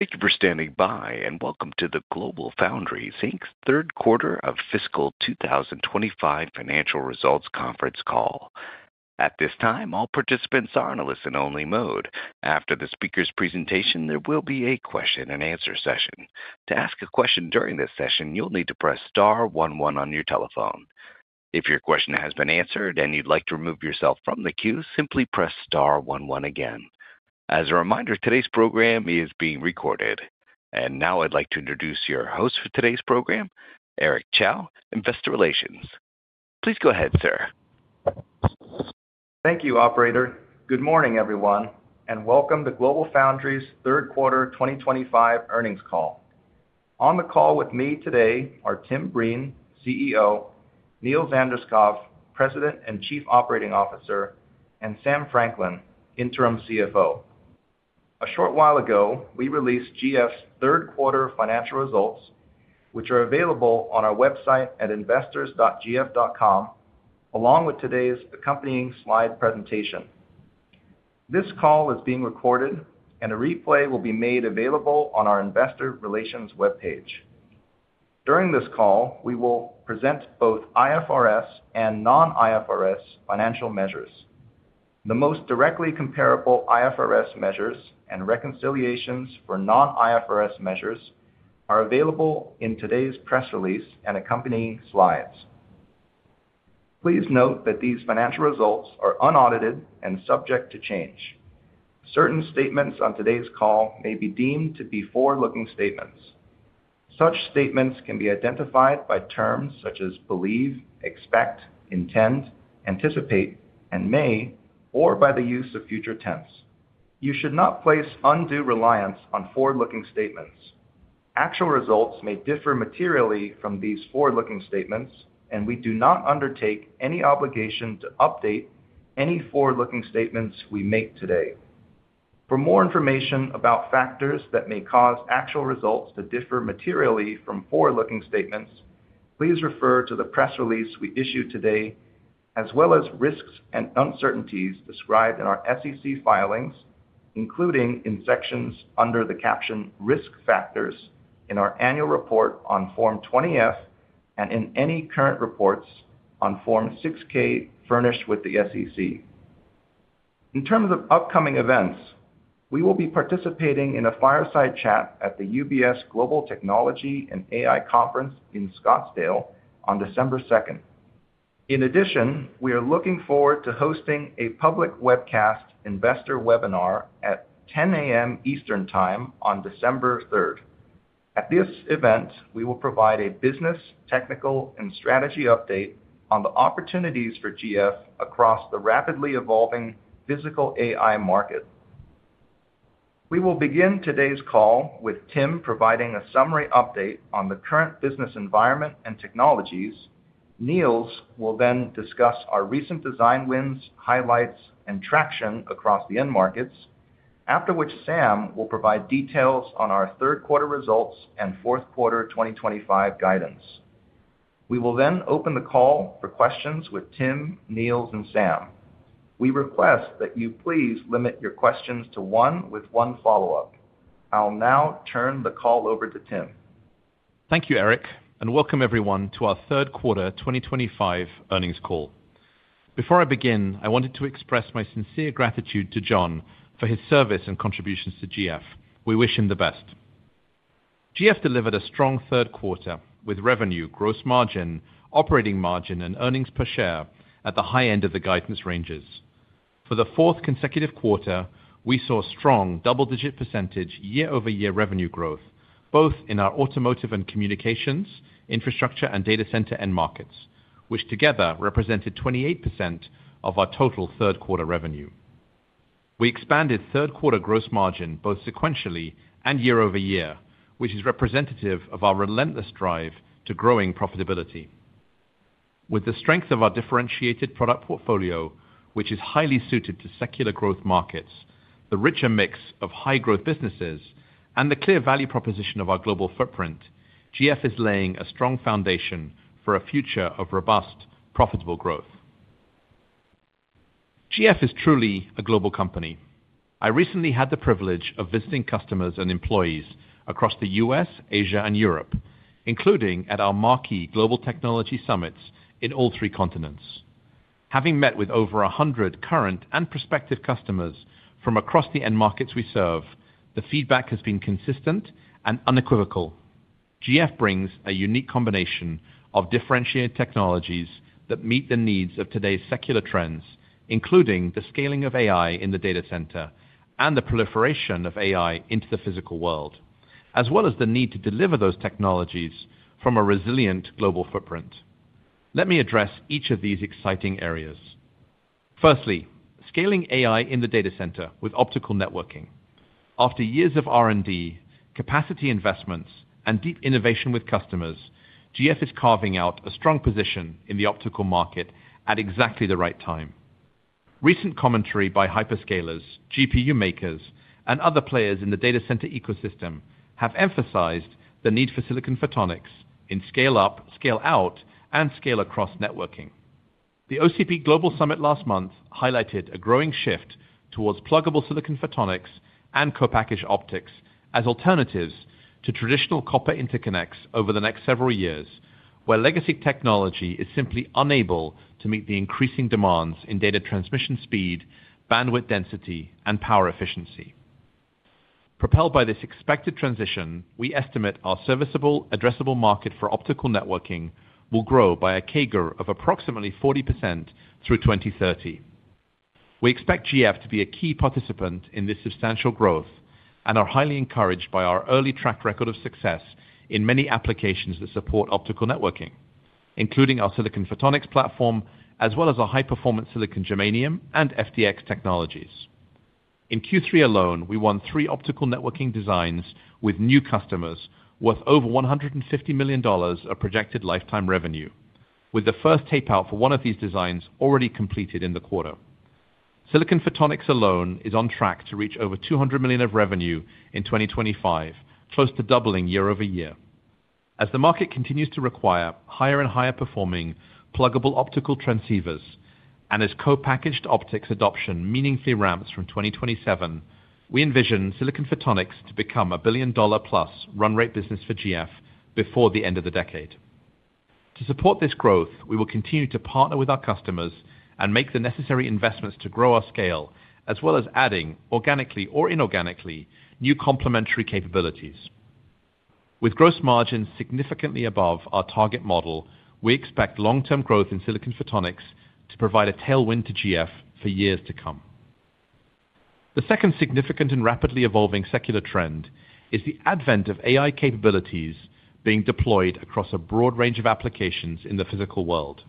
Thank you for standing by, and Welcome to the GlobalFoundries Third Quarter of fiscal 2025 financial results conference call. At this time, all participants are in a listen-only mode. After the speaker's presentation, there will be a question-and-answer session. To ask a question during this session, you'll need to press star one one on your telephone. If your question has been answered and you'd like to remove yourself from the queue, simply press star one one again. As a reminder, today's program is being recorded. Now I'd like to introduce your host for today's program, Eric Chow, Investor Relations. Please go ahead, sir. Thank you, operator. Good morning, everyone, and Welcome to GlobalFoundries' Third Quarter 2025 earnings call. On the call with me today are Tim Breen, CEO, Niels Anderskouv, President and Chief Operating Officer, and Sam Franklin, Interim CFO. A short while ago, we released GF's third quarter financial results, which are available on our website at investors.gf.com, along with today's accompanying slide presentation. This call is being recorded, and a replay will be made available on our Investor Relations webpage. During this call, we will present both IFRS and non-IFRS financial measures. The most directly comparable IFRS measures and reconciliations for non-IFRS measures are available in today's press release and accompanying slides. Please note that these financial results are unaudited and subject to change. Certain statements on today's call may be deemed to be forward-looking statements. Such statements can be identified by terms such as believe, expect, intend, anticipate, and may, or by the use of future tense. You should not place undue reliance on forward-looking statements. Actual results may differ materially from these forward-looking statements, and we do not undertake any obligation to update any forward-looking statements we make today. For more information about factors that may cause actual results to differ materially from forward-looking statements, please refer to the press release we issued today, as well as risks and uncertainties described in our SEC filings, including in sections under the caption Risk Factors in our annual report on Form 20-F and in any current reports on Form 6-K furnished with the SEC. In terms of upcoming events, we will be participating in a fireside chat at the UBS Global Technology and AI Conference in Scottsdale on December 2nd. In addition, we are looking forward to hosting a public webcast investor webinar at 10:00 A.M. Eastern Time on December 3rd. At this event, we will provide a business, technical, and strategy update on the opportunities for GF across the rapidly evolving physical AI market. We will begin today's call with Tim providing a summary update on the current business environment and technologies. Niels will then discuss our recent design wins, highlights, and traction across the end markets, after which Sam will provide details on our third quarter results and fourth quarter 2025 guidance. We will then open the call for questions with Tim, Niels, and Sam. We request that you please limit your questions to one with one follow-up. I'll now turn the call over to Tim. Thank you, Eric, and welcome everyone to our third quarter 2025 earnings call. Before I begin, I wanted to express my sincere gratitude to John for his service and contributions to GF. We wish him the best. GF delivered a strong third quarter with revenue, gross margin, operating margin, and earnings per share at the high end of the guidance ranges. For the fourth consecutive quarter, we saw strong double-digit percentage year-over-year revenue growth, both in our automotive and communications, infrastructure, and data center end markets, which together represented 28% of our total third quarter revenue. We expanded third quarter gross margin both sequentially and year-over-year, which is representative of our relentless drive to growing profitability. With the strength of our differentiated product portfolio, which is highly suited to secular growth markets, the richer mix of high-growth businesses, and the clear value proposition of our global footprint, GF is laying a strong foundation for a future of robust, profitable growth. GF is truly a global company. I recently had the privilege of visiting customers and employees across the U.S., Asia, and Europe, including at our marquee global technology summits in all three continents. Having met with over 100 current and prospective customers from across the end markets we serve, the feedback has been consistent and unequivocal. GF brings a unique combination of differentiated technologies that meet the needs of today's secular trends, including the scaling of AI in the data center and the proliferation of AI into the physical world, as well as the need to deliver those technologies from a resilient global footprint. Let me address each of these exciting areas. Firstly, scaling AI in the data center with optical networking. After years of R&D, capacity investments, and deep innovation with customers, GF is carving out a strong position in the optical market at exactly the right time. Recent commentary by hyperscalers, GPU makers, and other players in the data center ecosystem have emphasized the need for Silicon Photonics in scale-up, scale-out, and scale-across networking. The OCP Global Summit last month highlighted a growing shift towards pluggable Silicon Photonics and co-packaged optics as alternatives to traditional copper interconnects over the next several years, where legacy technology is simply unable to meet the increasing demands in data transmission speed, bandwidth density, and power efficiency. Propelled by this expected transition, we estimate our serviceable, addressable market for optical networking will grow by a CAGR of approximately 40% through 2030. We expect GF to be a key participant in this substantial growth and are highly encouraged by our early track record of success in many applications that support optical networking, including our Silicon Photonics platform, as well as our high-performance silicon germanium and FDX Technologies. In Q3 alone, we won three optical networking designs with new customers worth over $150 million of projected lifetime revenue, with the first tape-out for one of these designs already completed in the quarter. Silicon Photonics alone is on track to reach over $200 million of revenue in 2025, close to doubling year-over-year. As the market continues to require higher and higher-performing pluggable optical transceivers and as co-packaged optics adoption meaningfully ramps from 2027, we envision Silicon Photonics to become a billion-dollar-plus run-rate business for GF before the end of the decade. To support this growth, we will continue to partner with our customers and make the necessary investments to grow our scale, as well as adding, organically or inorganically, new complementary capabilities. With gross margins significantly above our target model, we expect long-term growth in Silicon Photonics to provide a tailwind to GF for years to come. The second significant and rapidly evolving secular trend is the advent of AI capabilities being deployed across a broad range of applications in the physical world.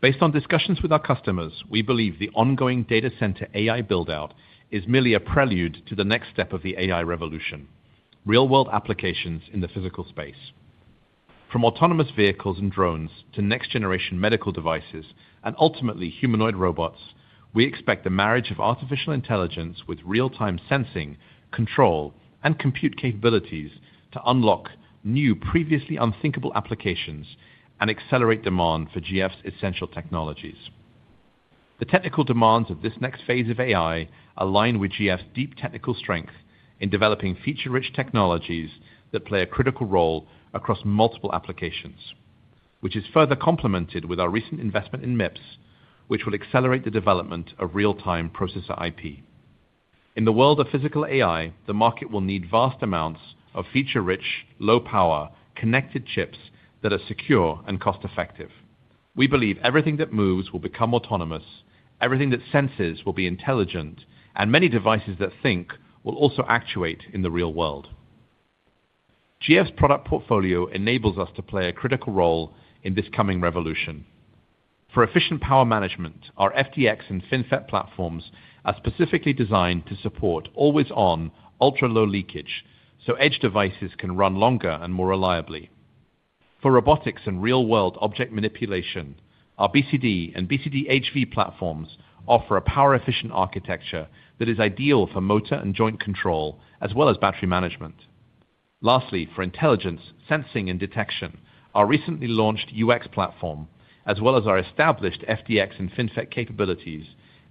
Based on discussions with our customers, we believe the ongoing data center AI buildout is merely a prelude to the next step of the AI revolution: real-world applications in the physical space. From autonomous vehicles and drones to next-generation medical devices and ultimately humanoid robots, we expect the marriage of artificial intelligence with real-time sensing, control, and compute capabilities to unlock new, previously unthinkable applications and accelerate demand for GF's essential technologies. The technical demands of this next phase of AI align with GF's deep technical strength in developing feature-rich technologies that play a critical role across multiple applications, which is further complemented with our recent investment in MIPS, which will accelerate the development of real-time processor IP. In the world of physical AI, the market will need vast amounts of feature-rich, low-power, connected chips that are secure and cost-effective. We believe everything that moves will become autonomous, everything that senses will be intelligent, and many devices that think will also actuate in the real world. GF's product portfolio enables us to play a critical role in this coming revolution. For efficient power management, our FDX and FinFET platforms are specifically designed to support always-on ultra-low leakage so edge devices can run longer and more reliably. For robotics and real-world object manipulation, our BCD and BCD-HV platforms offer a power-efficient architecture that is ideal for motor and joint control, as well as battery management. Lastly, for intelligence, sensing, and detection, our recently launched UX platform, as well as our established FDX and FinFET capabilities,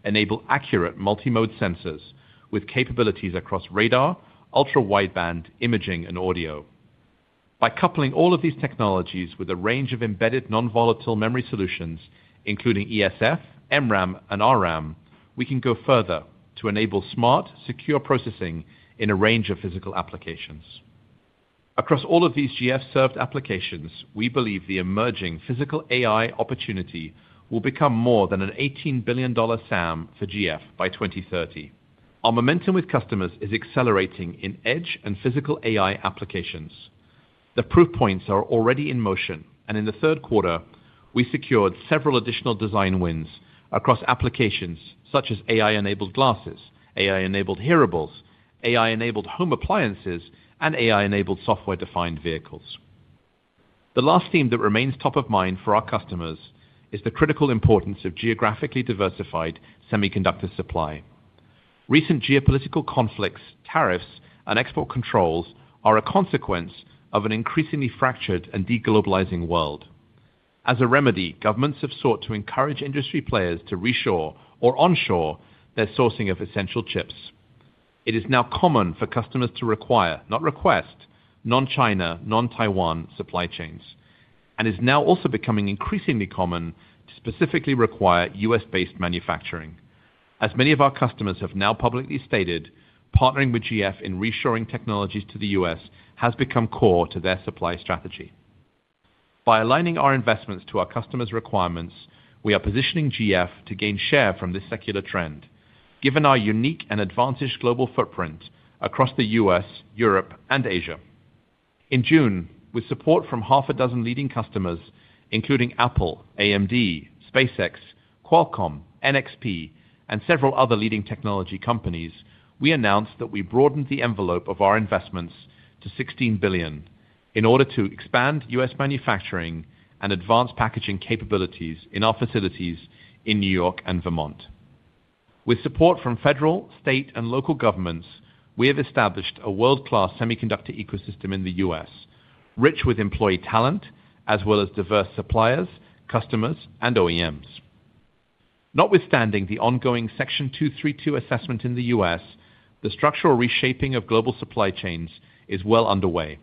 enable accurate multimode sensors with capabilities across radar, ultra-wideband imaging, and audio. By coupling all of these technologies with a range of embedded non-volatile memory solutions, including ESF, MRAM, and RRAM, we can go further to enable smart, secure processing in a range of physical applications. Across all of these GF-served applications, we believe the emerging physical AI opportunity will become more than an $18 billion SAM for GF by 2030. Our momentum with customers is accelerating in edge and physical AI applications. The proof points are already in motion, and in the third quarter, we secured several additional design wins across applications such as AI-enabled glasses, AI-enabled hearables, AI-enabled home appliances, and AI-enabled software-defined vehicles. The last theme that remains top of mind for our customers is the critical importance of geographically diversified semiconductor supply. Recent geopolitical conflicts, tariffs, and export controls are a consequence of an increasingly fractured and deglobalizing world. As a remedy, governments have sought to encourage industry players to reshore or onshore their sourcing of essential chips. It is now common for customers to require, not request, non-China, non-Taiwan supply chains, and is now also becoming increasingly common to specifically require U.S.-based manufacturing. As many of our customers have now publicly stated, partnering with GF in reshoring technologies to the U.S. has become core to their supply strategy. By aligning our investments to our customers' requirements, we are positioning GF to gain share from this secular trend, given our unique and advantaged global footprint across the U.S., Europe, and Asia. In June, with support from half a dozen leading customers, including Apple, AMD, SpaceX, Qualcomm, NXP, and several other leading technology companies, we announced that we broadened the envelope of our investments to $16 billion in order to expand U.S. manufacturing and advanced packaging capabilities in our facilities in New York and Vermont. With support from federal, state, and local governments, we have established a world-class semiconductor ecosystem in the U.S., rich with employee talent, as well as diverse suppliers, customers, and OEMs. Notwithstanding the ongoing Section 232 assessment in the U.S., the structural reshaping of global supply chains is well underway,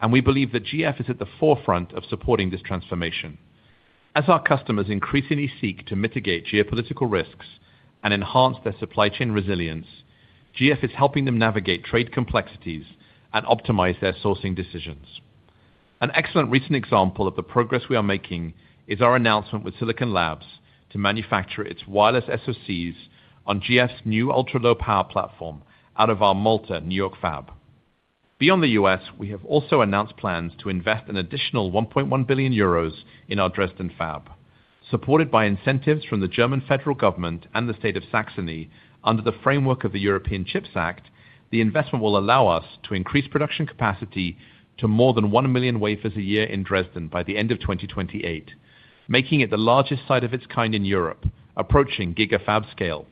and we believe that GF is at the forefront of supporting this transformation. As our customers increasingly seek to mitigate geopolitical risks and enhance their supply chain resilience, GF is helping them navigate trade complexities and optimize their sourcing decisions. An excellent recent example of the progress we are making is our announcement with Silicon Labs to manufacture its wireless SoCs on GF's new Ultra Low Power platform out of our Malta, New York fab. Beyond the U.S., we have also announced plans to invest an additional 1.1 billion euros in our Dresden fab. Supported by incentives from the German federal government and the state of Saxony under the framework of the European Chips Act, the investment will allow us to increase production capacity to more than 1 million wafers a year in Dresden by the end of 2028, making it the largest site of its kind in Europe, approaching GIGA fab scale.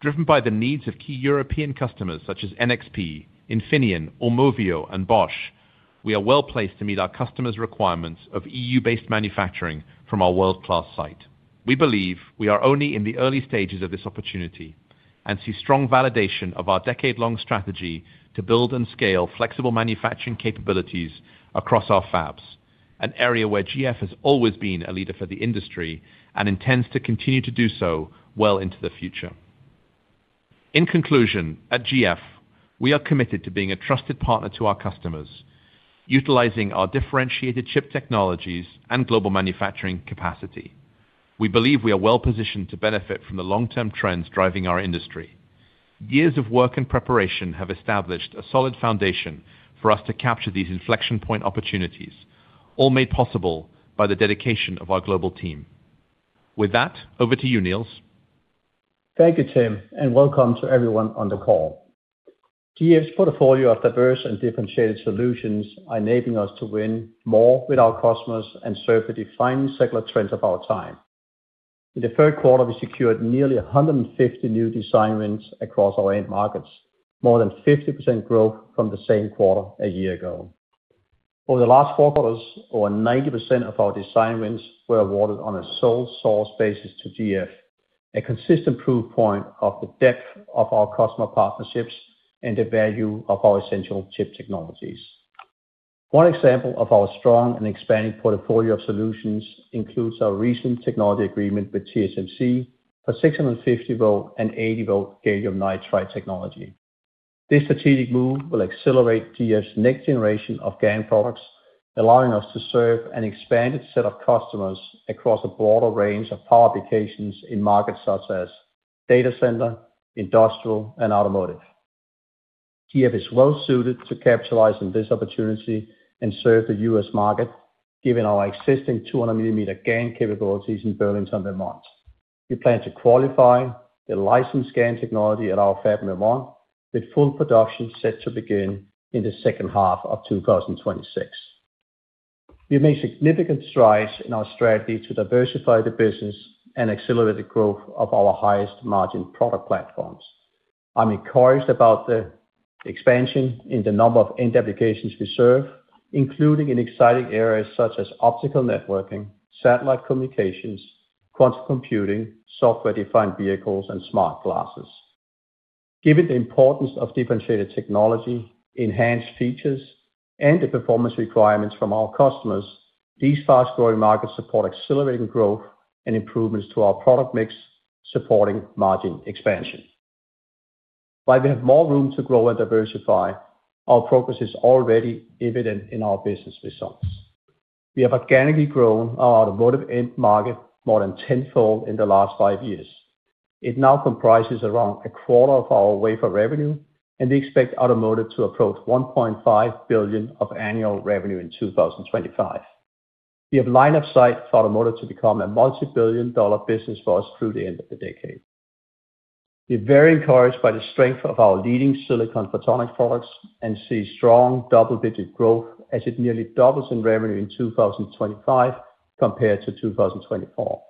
Driven by the needs of key European customers such as NXP, Infineon, Aumovio, and Bosch, we are well placed to meet our customers' requirements of EU-based manufacturing from our world-class site. We believe we are only in the early stages of this opportunity and see strong validation of our decade-long strategy to build and scale flexible manufacturing capabilities across our fabs, an area where GF has always been a leader for the industry and intends to continue to do so well into the future. In conclusion, at GF, we are committed to being a trusted partner to our customers, utilizing our differentiated chip technologies and global manufacturing capacity. We believe we are well positioned to benefit from the long-term trends driving our industry. Years of work and preparation have established a solid foundation for us to capture these inflection point opportunities, all made possible by the dedication of our global team. With that, over to you, Niels. Thank you, Tim, and welcome to everyone on the call. GF's portfolio of diverse and differentiated solutions is enabling us to win more with our customers and serve the defining secular trends of our time. In the third quarter, we secured nearly 150 new design wins across our end markets, more than 50% growth from the same quarter a year ago. Over the last four quarters, over 90% of our design wins were awarded on a sole-source basis to GF, a consistent proof point of the depth of our customer partnerships and the value of our essential chip technologies. One example of our strong and expanding portfolio of solutions includes our recent technology agreement with TSMC for 650V and 80V Gallium Nitride technology. This strategic move will accelerate GF's next generation of GaN products, allowing us to serve an expanded set of customers across a broader range of power applications in markets such as data center, industrial, and automotive. GF is well suited to capitalize on this opportunity and serve the U.S. market, given our existing 200 mm GaN capabilities in Burlington, Vermont. We plan to qualify the licensed GaN technology at our fab in Vermont, with full production set to begin in the second half of 2026. We've made significant strides in our strategy to diversify the business and accelerate the growth of our highest-margin product platforms. I'm encouraged about the expansion in the number of end applications we serve, including in exciting areas such as optical networking, satellite communications, quantum computing, software-defined vehicles, and smart glasses. Given the importance of differentiated technology, enhanced features, and the performance requirements from our customers, these fast-growing markets support accelerating growth and improvements to our product mix, supporting margin expansion. While we have more room to grow and diversify, our progress is already evident in our business results. We have organically grown our automotive end market more than tenfold in the last five years. It now comprises around a quarter of our wafer revenue, and we expect automotive to approach $1.5 billion of annual revenue in 2025. We have lined up sites for automotive to become a multi-billion dollar business for us through the end of the decade. We're very encouraged by the strength of our leading Silicon Photonics products and see strong double-digit growth as it nearly doubles in revenue in 2025 compared to 2024.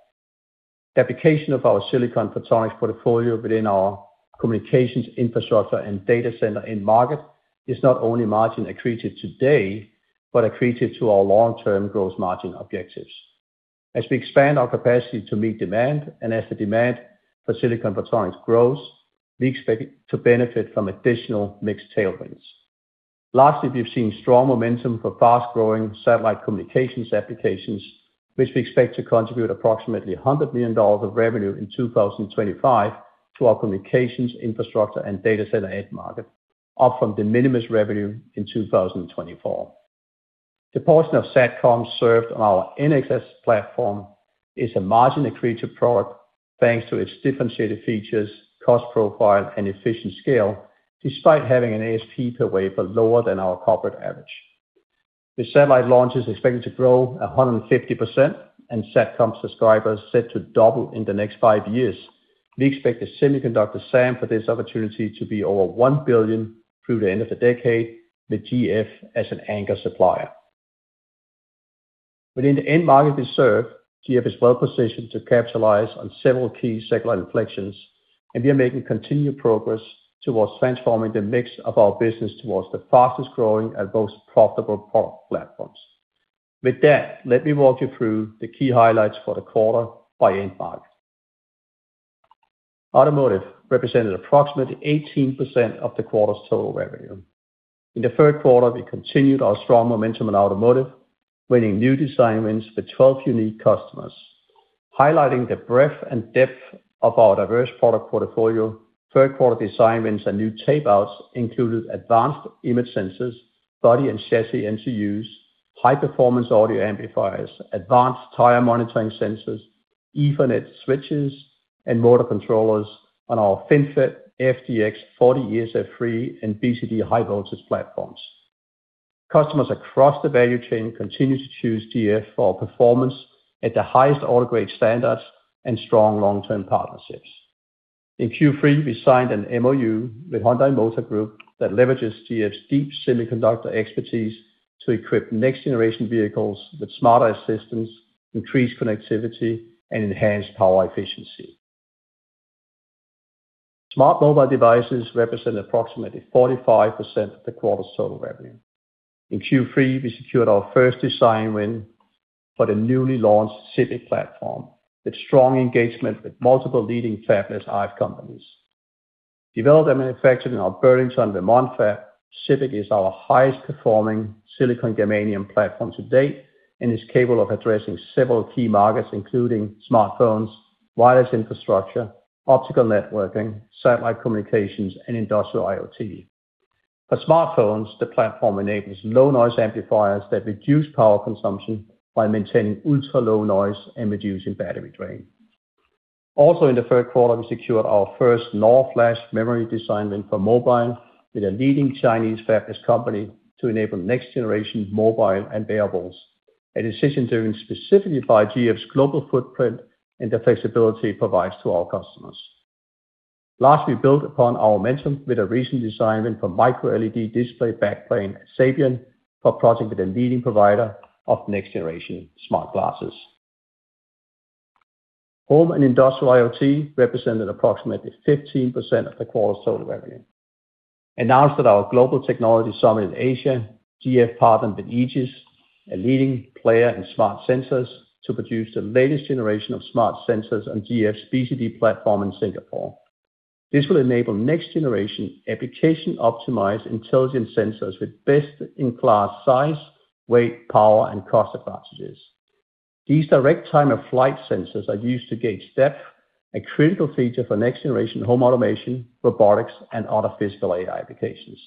The application of our Silicon Photonics portfolio within our communications infrastructure and data center end market is not only margin accretive today, but accretive to our long-term gross margin objectives. As we expand our capacity to meet demand and as the demand for Silicon Photonics grows, we expect to benefit from additional mixed tailwinds. Lastly, we've seen strong momentum for fast-growing satellite communications applications, which we expect to contribute approximately $100 million of revenue in 2025 to our communications infrastructure and data center end market, up from the minimus revenue in 2024. The portion of SATCOM served on our NXS platform is a margin-accretive product thanks to its differentiated features, cost profile, and efficient scale, despite having an ASP per wafer lower than our corporate average. With satellite launches expected to grow 150% and SATCOM subscribers set to double in the next five years, we expect the semiconductor Sam for this opportunity to be over $1 billion through the end of the decade, with GF as an anchor supplier. Within the end market we serve, GF is well positioned to capitalize on several key secular inflections, and we are making continued progress towards transforming the mix of our business towards the fastest-growing and most profitable product platforms. With that, let me walk you through the key highlights for the quarter by end market. Automotive represented approximately 18% of the quarter's total revenue. In the third quarter, we continued our strong momentum in automotive, winning new design wins with 12 unique customers. Highlighting the breadth and depth of our diverse product portfolio, third-quarter design wins and new tapeouts included advanced image sensors, body and chassis MCUs, high-performance audio amplifiers, advanced tire monitoring sensors, Ethernet switches, and motor controllers on our FinFET, FDX, 40 ESF free, and BCD high-voltage platforms. Customers across the value chain continue to choose GF for performance at the highest auto grade standards and strong long-term partnerships. In Q3, we signed an MOU with Hyundai Motor Group that leverages GF's deep semiconductor expertise to equip next-generation vehicles with smarter assistance, increased connectivity, and enhanced power efficiency. Smart mobile devices represent approximately 45% of the quarter's total revenue. In Q3, we secured our first design win for the newly launched CBIC platform with strong engagement with multiple leading fabless IF companies. Developed and manufactured in our Burlington, Vermont fab, CBIC is our highest-performing Silicon Gallium platform to date and is capable of addressing several key markets, including smartphones, wireless infrastructure, optical networking, satellite communications, and industrial IoT. For smartphones, the platform enables low-noise amplifiers that reduce power consumption while maintaining ultra-low noise and reducing battery drain. Also, in the third quarter, we secured our first North Flash memory design win for mobile with a leading Chinese fabless company to enable next-generation mobile and wearables, a decision driven specifically by GF's global footprint and the flexibility it provides to our customers. Last, we built upon our mention with a recent design win for micro-LED display backplane at Savian for a project with a leading provider of next-generation smart glasses. Home and industrial IoT represented approximately 15% of the quarter's total revenue. Announced at our Global Technology Summit in Asia, GF partnered with Egis, a leading player in smart sensors, to produce the latest generation of smart sensors on GF's BCD platform in Singapore. This will enable next-generation application-optimized intelligent sensors with best-in-class size, weight, power, and cost advantages. These direct-time-of-flight sensors are used to gauge depth, a critical feature for next-generation home automation, robotics, and other physical AI applications.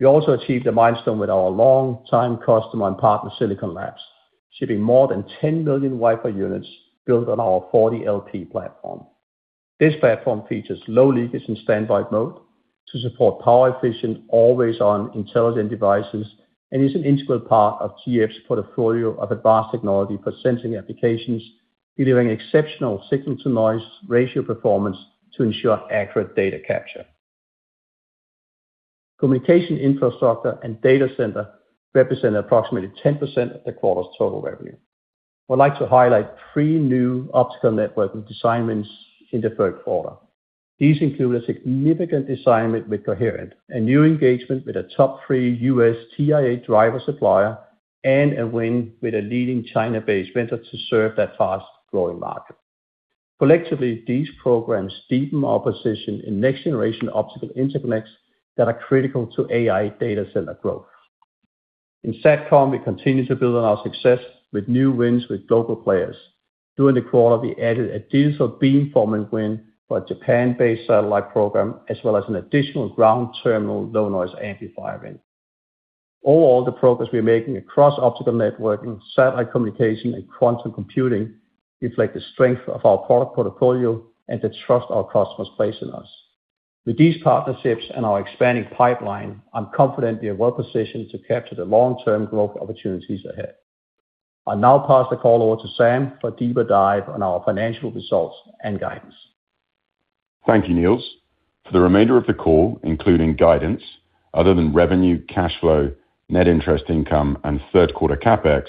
We also achieved a milestone with our long-time customer and partner, Silicon Labs, shipping more than 10 million wafer units built on our 40LP platform. This platform features low leakage and standby mode to support power-efficient, always-on intelligent devices and is an integral part of GF's portfolio of advanced technology for sensing applications, delivering exceptional signal-to-noise ratio performance to ensure accurate data capture. Communication infrastructure and data center represent approximately 10% of the quarter's total revenue. I'd like to highlight three new optical networking design wins in the third quarter. These include a significant design win with Coherent, a new engagement with a top-three U.S. TIA driver supplier, and a win with a leading China-based vendor to serve that fast-growing market. Collectively, these programs deepen our position in next-generation optical interconnects that are critical to AI data center growth. In SATCOM, we continue to build on our success with new wins with global players. During the quarter, we added a digital beamforming win for a Japan-based satellite program, as well as an additional ground terminal low-noise amplifier win. Overall, the progress we're making across optical networking, satellite communication, and Quantum Computing reflects the strength of our product portfolio and the trust our customers place in us. With these partnerships and our expanding pipeline, I'm confident we are well positioned to capture the long-term growth opportunities ahead. I'll now pass the call over to Sam for a deeper dive on our financial results and guidance. Thank you, Niels. For the remainder of the call, including guidance, other than revenue, cash flow, net interest income, and third-quarter CapEx,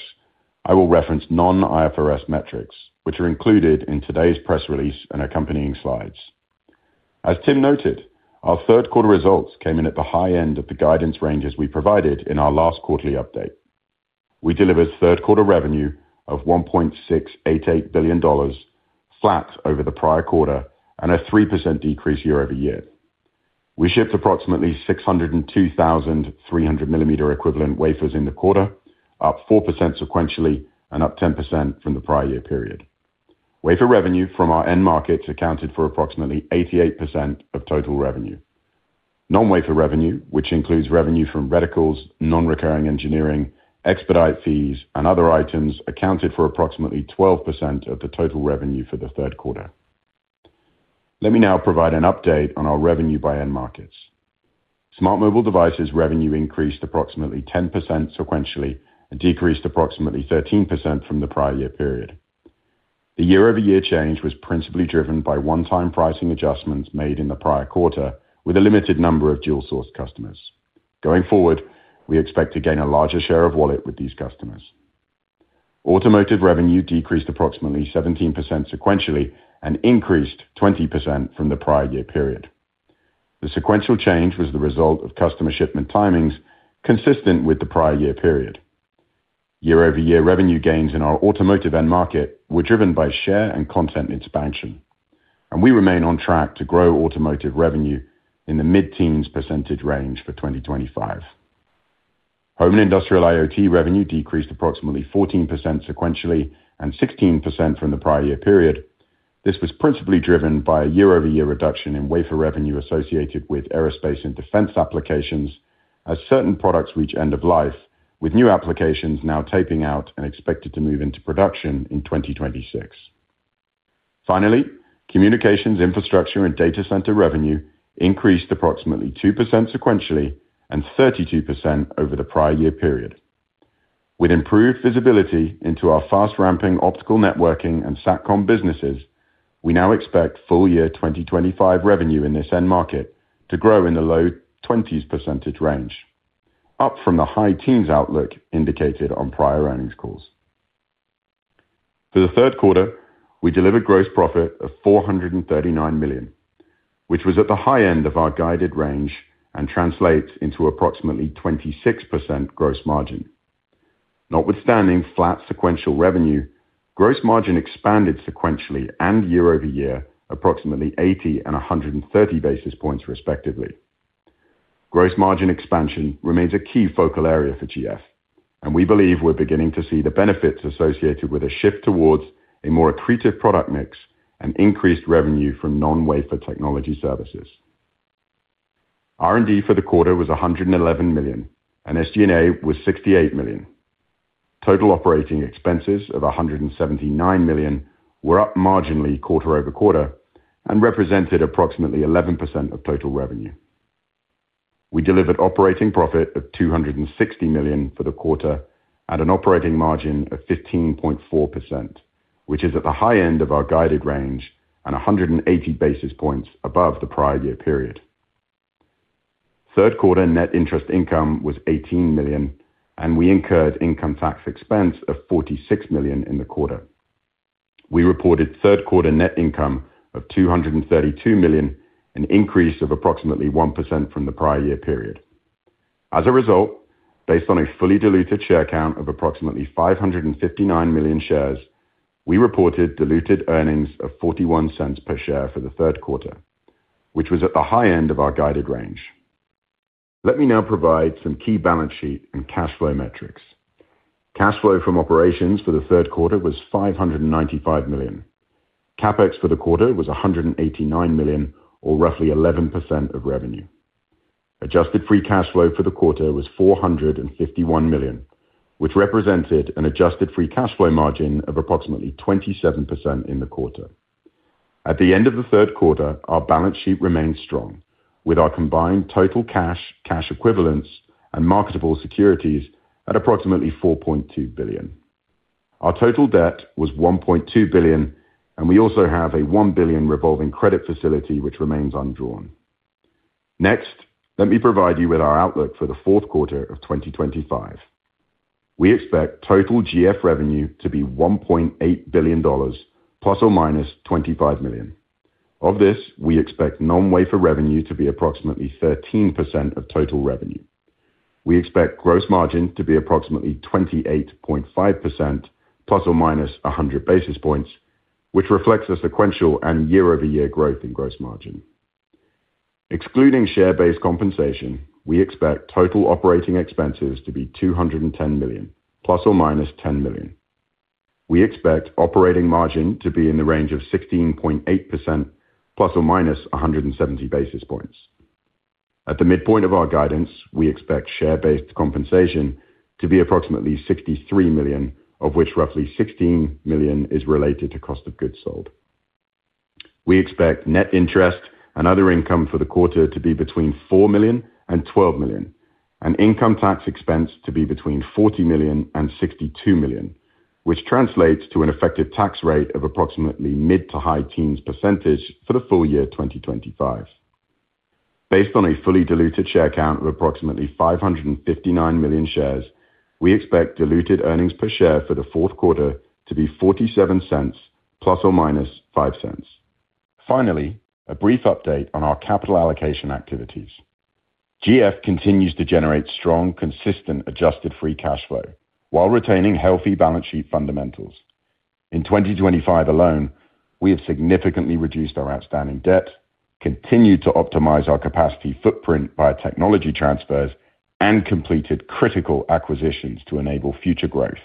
I will reference non-IFRS metrics, which are included in today's press release and accompanying slides. As Tim noted, our third-quarter results came in at the high end of the guidance ranges we provided in our last quarterly update. We delivered third-quarter revenue of $1.688 billion, flat over the prior quarter and a 3% decrease year-over-year. We shipped approximately 602,300 mm equivalent wafers in the quarter, up 4% sequentially and up 10% from the prior year period. Wafer revenue from our end markets accounted for approximately 88% of total revenue. Non-wafer revenue, which includes revenue from reticles, non-recurring engineering, expedite fees, and other items, accounted for approximately 12% of the total revenue for the third quarter. Let me now provide an update on our revenue by end markets. Smart mobile devices revenue increased approximately 10% sequentially and decreased approximately 13% from the prior year period. The year-over-year change was principally driven by one-time pricing adjustments made in the prior quarter with a limited number of dual-source customers. Going forward, we expect to gain a larger share of wallet with these customers. Automotive revenue decreased approximately 17% sequentially and increased 20% from the prior year period. The sequential change was the result of customer shipment timings consistent with the prior year period. Year-over-year revenue gains in our automotive end market were driven by share and content expansion, and we remain on track to grow automotive revenue in the mid-teens % range for 2025. Home and industrial IoT revenue decreased approximately 14% sequentially and 16% from the prior year period. This was principally driven by a year-over-year reduction in wafer revenue associated with aerospace and defense applications as certain products reach end of life, with new applications now taping out and expected to move into production in 2026. Finally, communications infrastructure and data center revenue increased approximately 2% sequentially and 32% over the prior year period. With improved visibility into our fast-ramping optical networking and SATCOM businesses, we now expect full year 2025 revenue in this end market to grow in the low 20s % range, up from the high teens outlook indicated on prior earnings calls. For the third quarter, we delivered gross profit of $439 million, which was at the high end of our guided range and translates into approximately 26% gross margin. Notwithstanding flat sequential revenue, gross margin expanded sequentially and year-over-year approximately 80 and 130 basis points respectively. Gross margin expansion remains a key focal area for GF, and we believe we're beginning to see the benefits associated with a shift towards a more accretive product mix and increased revenue from non-wafer technology services. R&D for the quarter was $111 million, and SG&A was $68 million. Total operating expenses of $179 million were up marginally quarter over quarter and represented approximately 11% of total revenue. We delivered operating profit of $260 million for the quarter and an operating margin of 15.4%, which is at the high end of our guided range and 180 basis points above the prior year period. Third quarter net interest income was $18 million, and we incurred income tax expense of $46 million in the quarter. We reported third quarter net income of $232 million, an increase of approximately 1% from the prior year period. As a result, based on a fully diluted share count of approximately 559 million shares, we reported diluted earnings of $0.41 per share for the third quarter, which was at the high end of our guided range. Let me now provide some key balance sheet and cash flow metrics. Cash flow from operations for the third quarter was $595 million. CapEx for the quarter was $189 million, or roughly 11% of revenue. Adjusted free cash flow for the quarter was $451 million, which represented an adjusted free cash flow margin of approximately 27% in the quarter. At the end of the third quarter, our balance sheet remained strong, with our combined total cash, cash equivalents, and marketable securities at approximately $4.2 billion. Our total debt was $1.2 billion, and we also have a $1 billion revolving credit facility which remains undrawn. Next, let me provide you with our outlook for the fourth quarter of 2025. We expect total GF revenue to be $1.8 billion, ±$25 million. Of this, we expect non-wafer revenue to be approximately 13% of total revenue. We expect gross margin to be approximately 28.5%, ±100 basis points, which reflects a sequential and year-over-year growth in gross margin. Excluding share-based compensation, we expect total operating expenses to be $210 million, ±$10 million. We expect operating margin to be in the range of 16.8%, ±170 basis points. At the midpoint of our guidance, we expect share-based compensation to be approximately $63 million, of which roughly $16 million is related to cost of goods sold. We expect net interest and other income for the quarter to be between $4 million and $12 million, and income tax expense to be between $40 million and $62 million, which translates to an effective tax rate of approximately mid to high teens % for the full year 2025. Based on a fully diluted share count of approximately 559 million shares, we expect diluted earnings per share for the fourth quarter to be $0.47, ±$0.05. Finally, a brief update on our capital allocation activities. GF continues to generate strong, consistent adjusted free cash flow while retaining healthy balance sheet fundamentals. In 2025 alone, we have significantly reduced our outstanding debt, continued to optimize our capacity footprint via technology transfers, and completed critical acquisitions to enable future growth,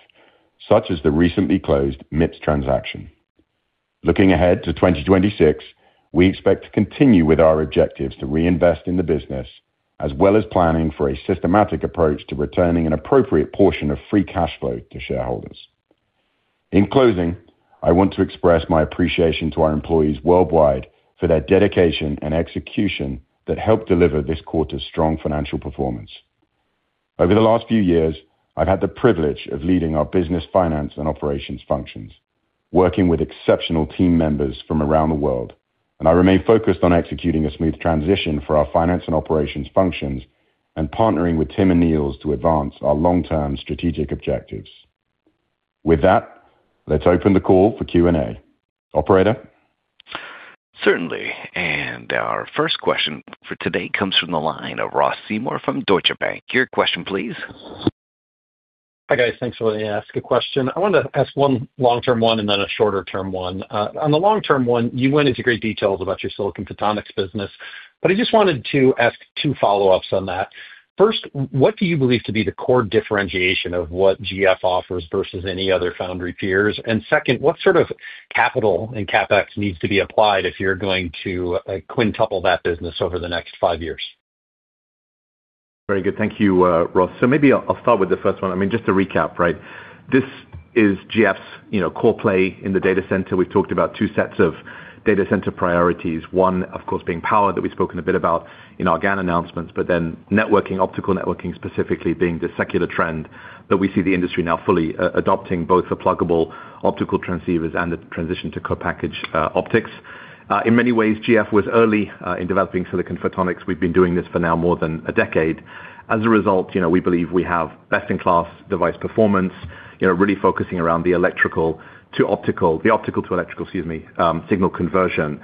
such as the recently closed MIPS transaction. Looking ahead to 2026, we expect to continue with our objectives to reinvest in the business, as well as planning for a systematic approach to returning an appropriate portion of free cash flow to shareholders. In closing, I want to express my appreciation to our employees worldwide for their dedication and execution that helped deliver this quarter's strong financial performance. Over the last few years, I've had the privilege of leading our business finance and operations functions, working with exceptional team members from around the world, and I remain focused on executing a smooth transition for our finance and operations functions and partnering with Tim and Niels to advance our long-term strategic objectives. With that, let's open the call for Q&A. Operator? Certainly, and our first question for today comes from the line of Ross Seymour from Deutsche Bank. Your question, please. Hi guys, thanks for letting me ask a question. I wanted to ask one long-term one and then a shorter-term one. On the long-term one, you went into great details about your Silicon Photonics business, but I just wanted to ask two follow-ups on that. First, what do you believe to be the core differentiation of what GF offers versus any other foundry peers? And second, what sort of capital and CapEx needs to be applied if you're going to quintuple that business over the next five years? Very good, thank you, Ross. So maybe I'll start with the first one. I mean, just to recap, right? This is GF's, you know, core play in the data center. We've talked about two sets of data center priorities, one, of course, being power that we've spoken a bit about in our GaN announcements, but then networking, optical networking specifically being the secular trend that we see the industry now fully adopting, both the pluggable optical transceivers and the transition to co-packaged optics. In many ways, GF was early in developing Silicon Photonics. We've been doing this for now more than a decade. As a result, you know, we believe we have best-in-class device performance, you know, really focusing around the electrical to optical, the optical to electrical, excuse me, signal conversion.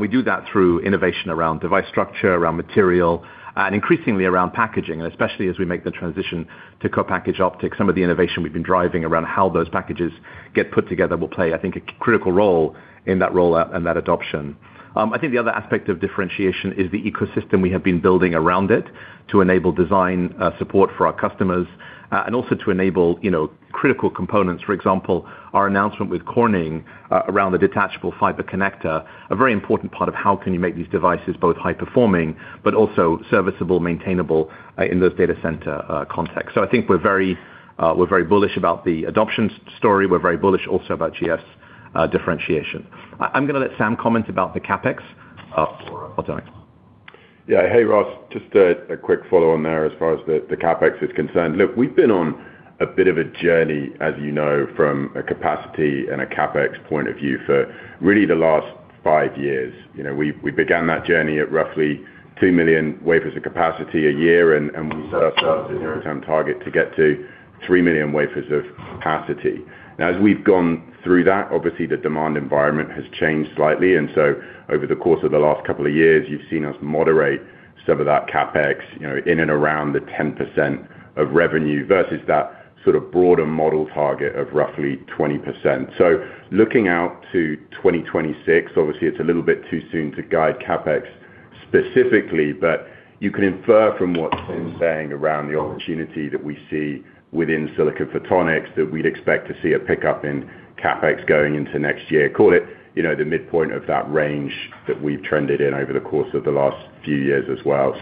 We do that through innovation around device structure, around material, and increasingly around packaging, and especially as we make the transition to co-packaged optics. Some of the innovation we've been driving around how those packages get put together will play, I think, a critical role in that rollout and that adoption. I think the other aspect of differentiation is the ecosystem we have been building around it to enable design support for our customers and also to enable, you know, critical components. For example, our announcement with Corning around the detachable fiber connector, a very important part of how can you make these devices both high-performing but also serviceable, maintainable in those data center contexts. I think we're very, we're very bullish about the adoption story. We're very bullish also about GF's differentiation. I'm going to let Sam comment about the CapEx. Yeah, hey Ross, just a quick follow-on there as far as the CapEx is concerned. Look, we've been on a bit of a journey, as you know, from a capacity and a CapEx point of view for really the last five years. You know, we began that journey at roughly $2 million wafers of capacity a year, and we set ourselves a zero-time target to get to $3 million wafers of capacity. Now, as we've gone through that, obviously the demand environment has changed slightly. Over the course of the last couple of years, you've seen us moderate some of that CapEx, you know, in and around the 10% of revenue versus that sort of broader model target of roughly 20%. So, looking out to 2026, obviously it's a little bit too soon to guide CapEx specifically, but you can infer from what's been saying around the opportunity that we see within Silicon Photonics that we'd expect to see a pickup in CapEx going into next year. Call it, you know, the midpoint of that range that we've trended in over the course of the last few years as well.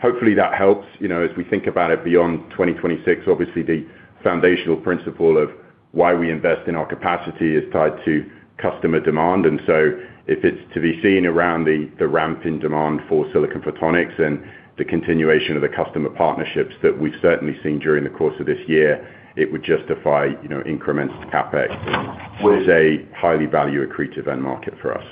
Hopefully that helps, you know, as we think about it beyond 2026. Obviously, the foundational principle of why we invest in our capacity is tied to customer demand. And so, if it's to be seen around the ramp in demand for Silicon Photonics and the continuation of the customer partnerships that we've certainly seen during the course of this year, it would justify, you know, increments to CapEx, which is a highly value-accretive end market for us.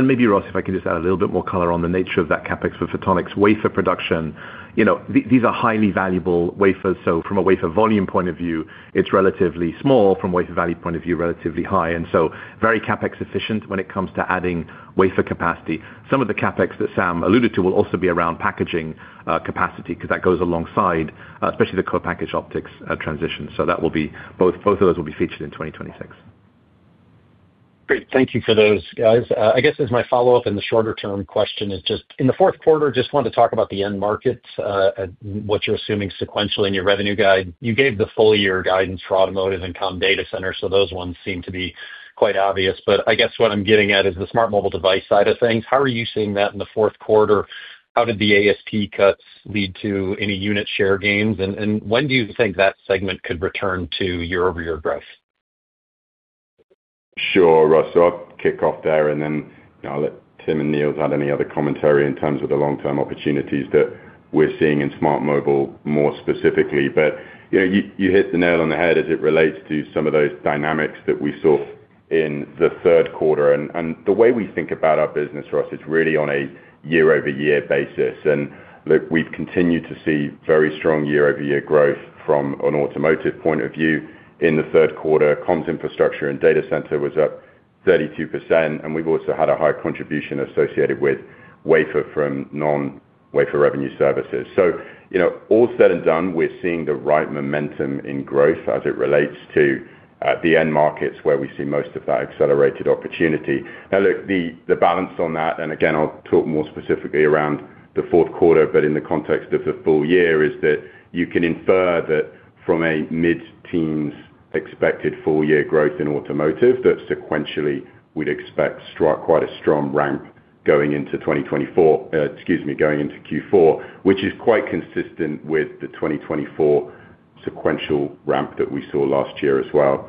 Maybe, Ross, if I can just add a little bit more color on the nature of that CapEx for photonics wafer production, you know, these are highly valuable wafers. From a wafer volume point of view, it's relatively small. From a wafer value point of view, relatively high. Very CapEx efficient when it comes to adding wafer capacity. Some of the CapEx that Sam alluded to will also be around packaging capacity because that goes alongside, especially the co-packaged optics transition. Both of those will be featured in 2026. Great, thank you for those, guys. I guess as my follow-up and the shorter-term question is just in the fourth quarter, just wanted to talk about the end markets and what you're assuming sequentially in your revenue guide. You gave the full year guidance for automotive and comm data center, so those ones seem to be quite obvious. I guess what I'm getting at is the smart mobile device side of things. How are you seeing that in the fourth quarter? How did the AST cuts lead to any unit share gains? When do you think that segment could return to year-over-year growth? Sure, Ross, I'll kick off there and then, you know, I'll let Tim and Niels add any other commentary in terms of the long-term opportunities that we're seeing in smart mobile more specifically. You hit the nail on the head as it relates to some of those dynamics that we saw in the third quarter. The way we think about our business, Ross, it's really on a year-over-year basis. Look, we've continued to see very strong year-over-year growth from an automotive point of view. In the third quarter, comms infrastructure and data center was up 32%, and we've also had a high contribution associated with wafer from non-wafer revenue services. You know, all said and done, we're seeing the right momentum in growth as it relates to the end markets where we see most of that accelerated opportunity. Now, look, the balance on that, and again, I'll talk more specifically around the fourth quarter, but in the context of the full year, is that you can infer that from a mid-teens expected full year growth in automotive that sequentially we'd expect to strike quite a strong ramp going into 2024, excuse me, going into Q4, which is quite consistent with the 2024 sequential ramp that we saw last year as well.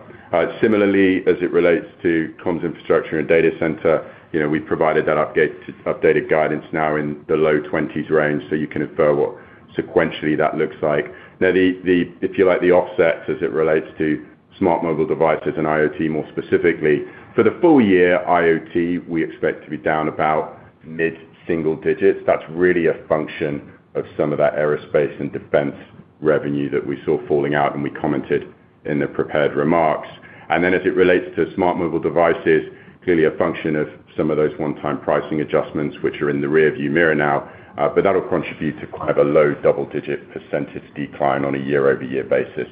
Similarly, as it relates to comms infrastructure and data center, you know, we've provided that updated guidance now in the low 20s range, so you can infer what sequentially that looks like. Now, if you like, the offset as it relates to smart mobile devices and IoT more specifically, for the full year IoT, we expect to be down about mid-single digits. That's really a function of some of that aerospace and defense revenue that we saw falling out, and we commented in the prepared remarks. Then, as it relates to smart mobile devices, clearly a function of some of those one-time pricing adjustments, which are in the rearview mirror now, but that'll contribute to quite a low double-digit % decline on a year-over-year basis.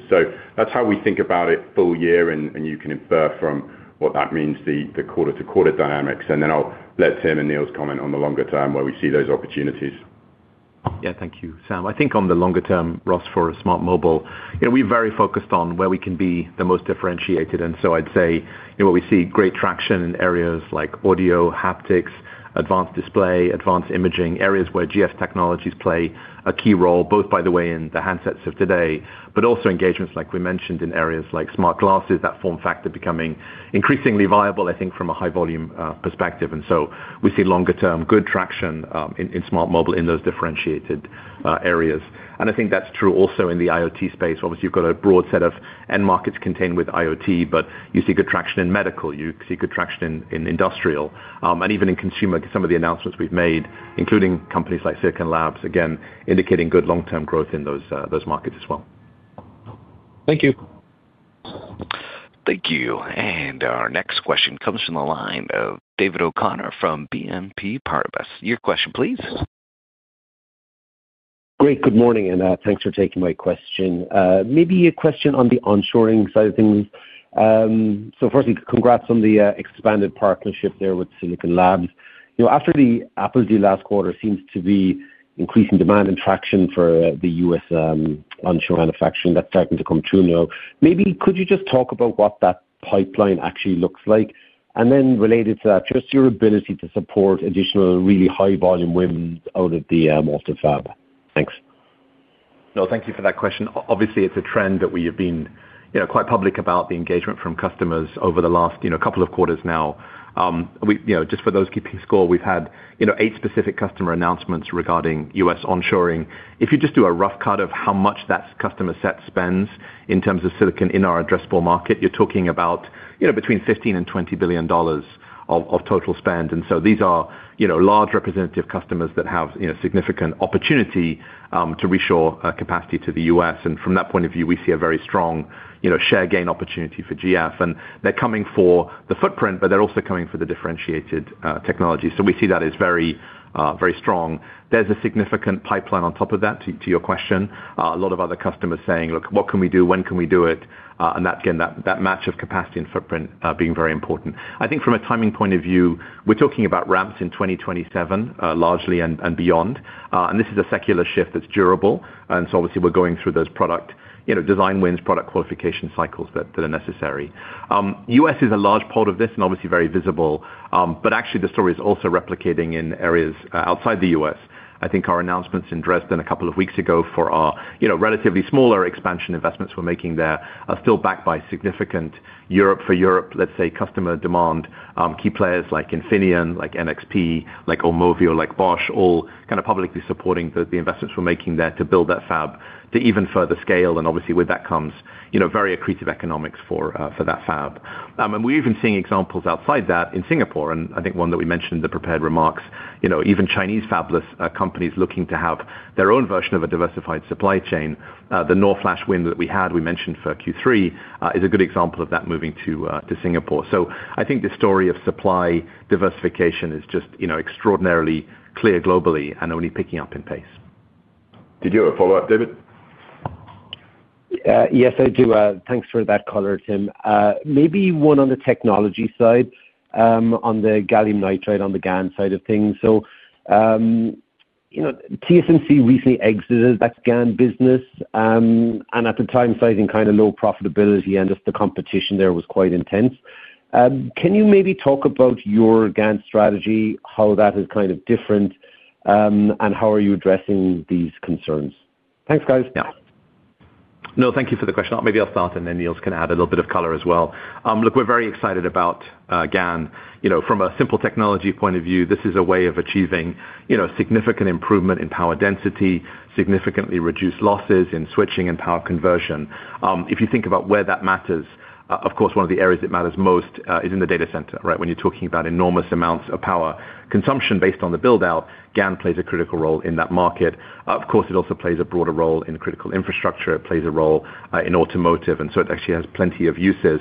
That's how we think about it full year, and you can infer from what that means, the quarter-to-quarter dynamics. I'll let Tim and Niels comment on the longer term where we see those opportunities. Yeah, thank you, Sam. I think on the longer term, Ross, for smart mobile, you know, we're very focused on where we can be the most differentiated. I'd say, you know, we see great traction in areas like audio, haptics, advanced display, advanced imaging, areas where GF technologies play a key role, both by the way in the handsets of today, but also engagements, like we mentioned, in areas like smart glasses, that form factor becoming increasingly viable, I think, from a high-volume perspective. We see longer-term good traction in smart mobile in those differentiated areas. I think that's true also in the IoT space. Obviously, you've got a broad set of end markets contained with IoT, but you see good traction in medical, you see good traction in industrial, and even in consumer, some of the announcements we've made, including companies like Silicon Labs, again, indicating good long-term growth in those markets as well. Thank you. Thank you. Our next question comes from the line of David O'Connor from BNP Paribas. Your question, please. Great, good morning, and thanks for taking my question. Maybe a question on the onshoring side of things. Firstly, congrats on the expanded partnership there with Silicon Labs. You know, after Apple's last quarter seems to be increasing demand and traction for the U.S. onshore manufacturing, that's starting to come true now. Maybe could you just talk about what that pipeline actually looks like? Then related to that, just your ability to support additional really high-volume wins out of the Multifab. Thanks. No, thank you for that question. Obviously, it's a trend that we have been, you know, quite public about the engagement from customers over the last, you know, couple of quarters now. We, you know, just for those keeping score, we've had, you know, eight specific customer announcements regarding U.S. onshoring. If you just do a rough cut of how much that customer set spends in terms of silicon in our addressable market, you're talking about, you know, between $15 billion and $20 billion of total spend. These are, you know, large representative customers that have, you know, significant opportunity to reshore capacity to the U.S.. From that point of view, we see a very strong, you know, share gain opportunity for GF. They're coming for the footprint, but they're also coming for the differentiated technology. We see that as very, very strong. There's a significant pipeline on top of that to your question. A lot of other customers saying, look, what can we do, when can we do it? That, again, that match of capacity and footprint being very important. I think from a timing point of view, we're talking about ramps in 2027, largely and beyond. This is a secular shift that's durable. Obviously we're going through those product, you know, design wins, product qualification cycles that are necessary. The U.S. is a large part of this and obviously very visible. Actually the story is also replicating in areas outside the U.S. I think our announcements in Dresden a couple of weeks ago for our, you know, relatively smaller expansion investments we're making there are still backed by significant Europe for Europe, let's say, customer demand. Key players like Infineon, like NXP, like Aumovio, like Bosch, all kind of publicly supporting the investments we're making there to build that fab to even further scale. Obviously with that comes, you know, very accretive economics for that fab. We're even seeing examples outside that in Singapore. I think one that we mentioned in the prepared remarks, you know, even Chinese fabless companies looking to have their own version of a diversified supply chain. The North Flash win that we had, we mentioned for Q3, is a good example of that moving to Singapore. I think the story of supply diversification is just, you know, extraordinarily clear globally and only picking up in pace. Did you have a follow-up, David? Yes, I do. Thanks for that color, Tim. Maybe one on the technology side, on the Gallium Nitride, on the GaN side of things. You know, TSMC recently exited that GaN business. At the time, citing kind of low profitability and just the competition there was quite intense. Can you maybe talk about your GaN strategy, how that is kind of different, and how are you addressing these concerns? Thanks, guys. Yeah. No, thank you for the question. Maybe I'll start and then Niels can add a little bit of color as well. Look, we're very excited about GaN. You know, from a simple technology point of view, this is a way of achieving, you know, significant improvement in power density, significantly reduced losses in switching and power conversion. If you think about where that matters, of course, one of the areas that matters most is in the data center, right? When you're talking about enormous amounts of power consumption based on the buildout, GaN plays a critical role in that market. Of course, it also plays a broader role in critical infrastructure. It plays a role in automotive. It actually has plenty of uses.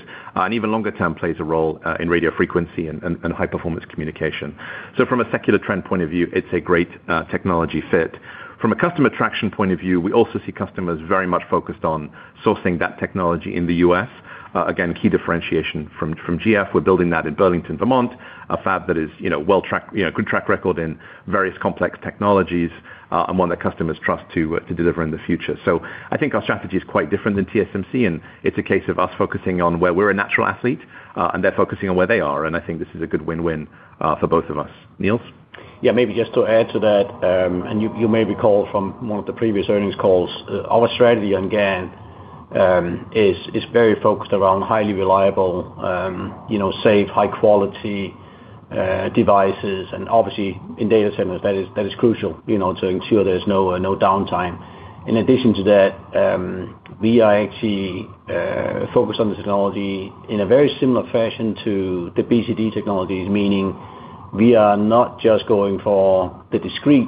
Even longer term, it plays a role in radio frequency and high performance communication. From a secular trend point of view, it's a great technology fit. From a customer traction point of view, we also see customers very much focused on sourcing that technology in the U.S. Again, key differentiation from GF, we're building that in Burlington, Vermont, a fab that is, you know, well tracked, you know, a good track record in various complex technologies and one that customers trust to deliver in the future. I think our strategy is quite different than TSMC, and it's a case of us focusing on where we're a natural athlete and they're focusing on where they are. I think this is a good win-win for both of us. Niels? Yeah, maybe just to add to that, and you may recall from one of the previous earnings calls, our strategy on GaN is very focused around highly reliable, you know, safe, high-quality devices. Obviously in data centers, that is crucial, you know, to ensure there's no downtime. In addition to that, we are actually focused on the technology in a very similar fashion to the BCD technologies, meaning we are not just going for the discrete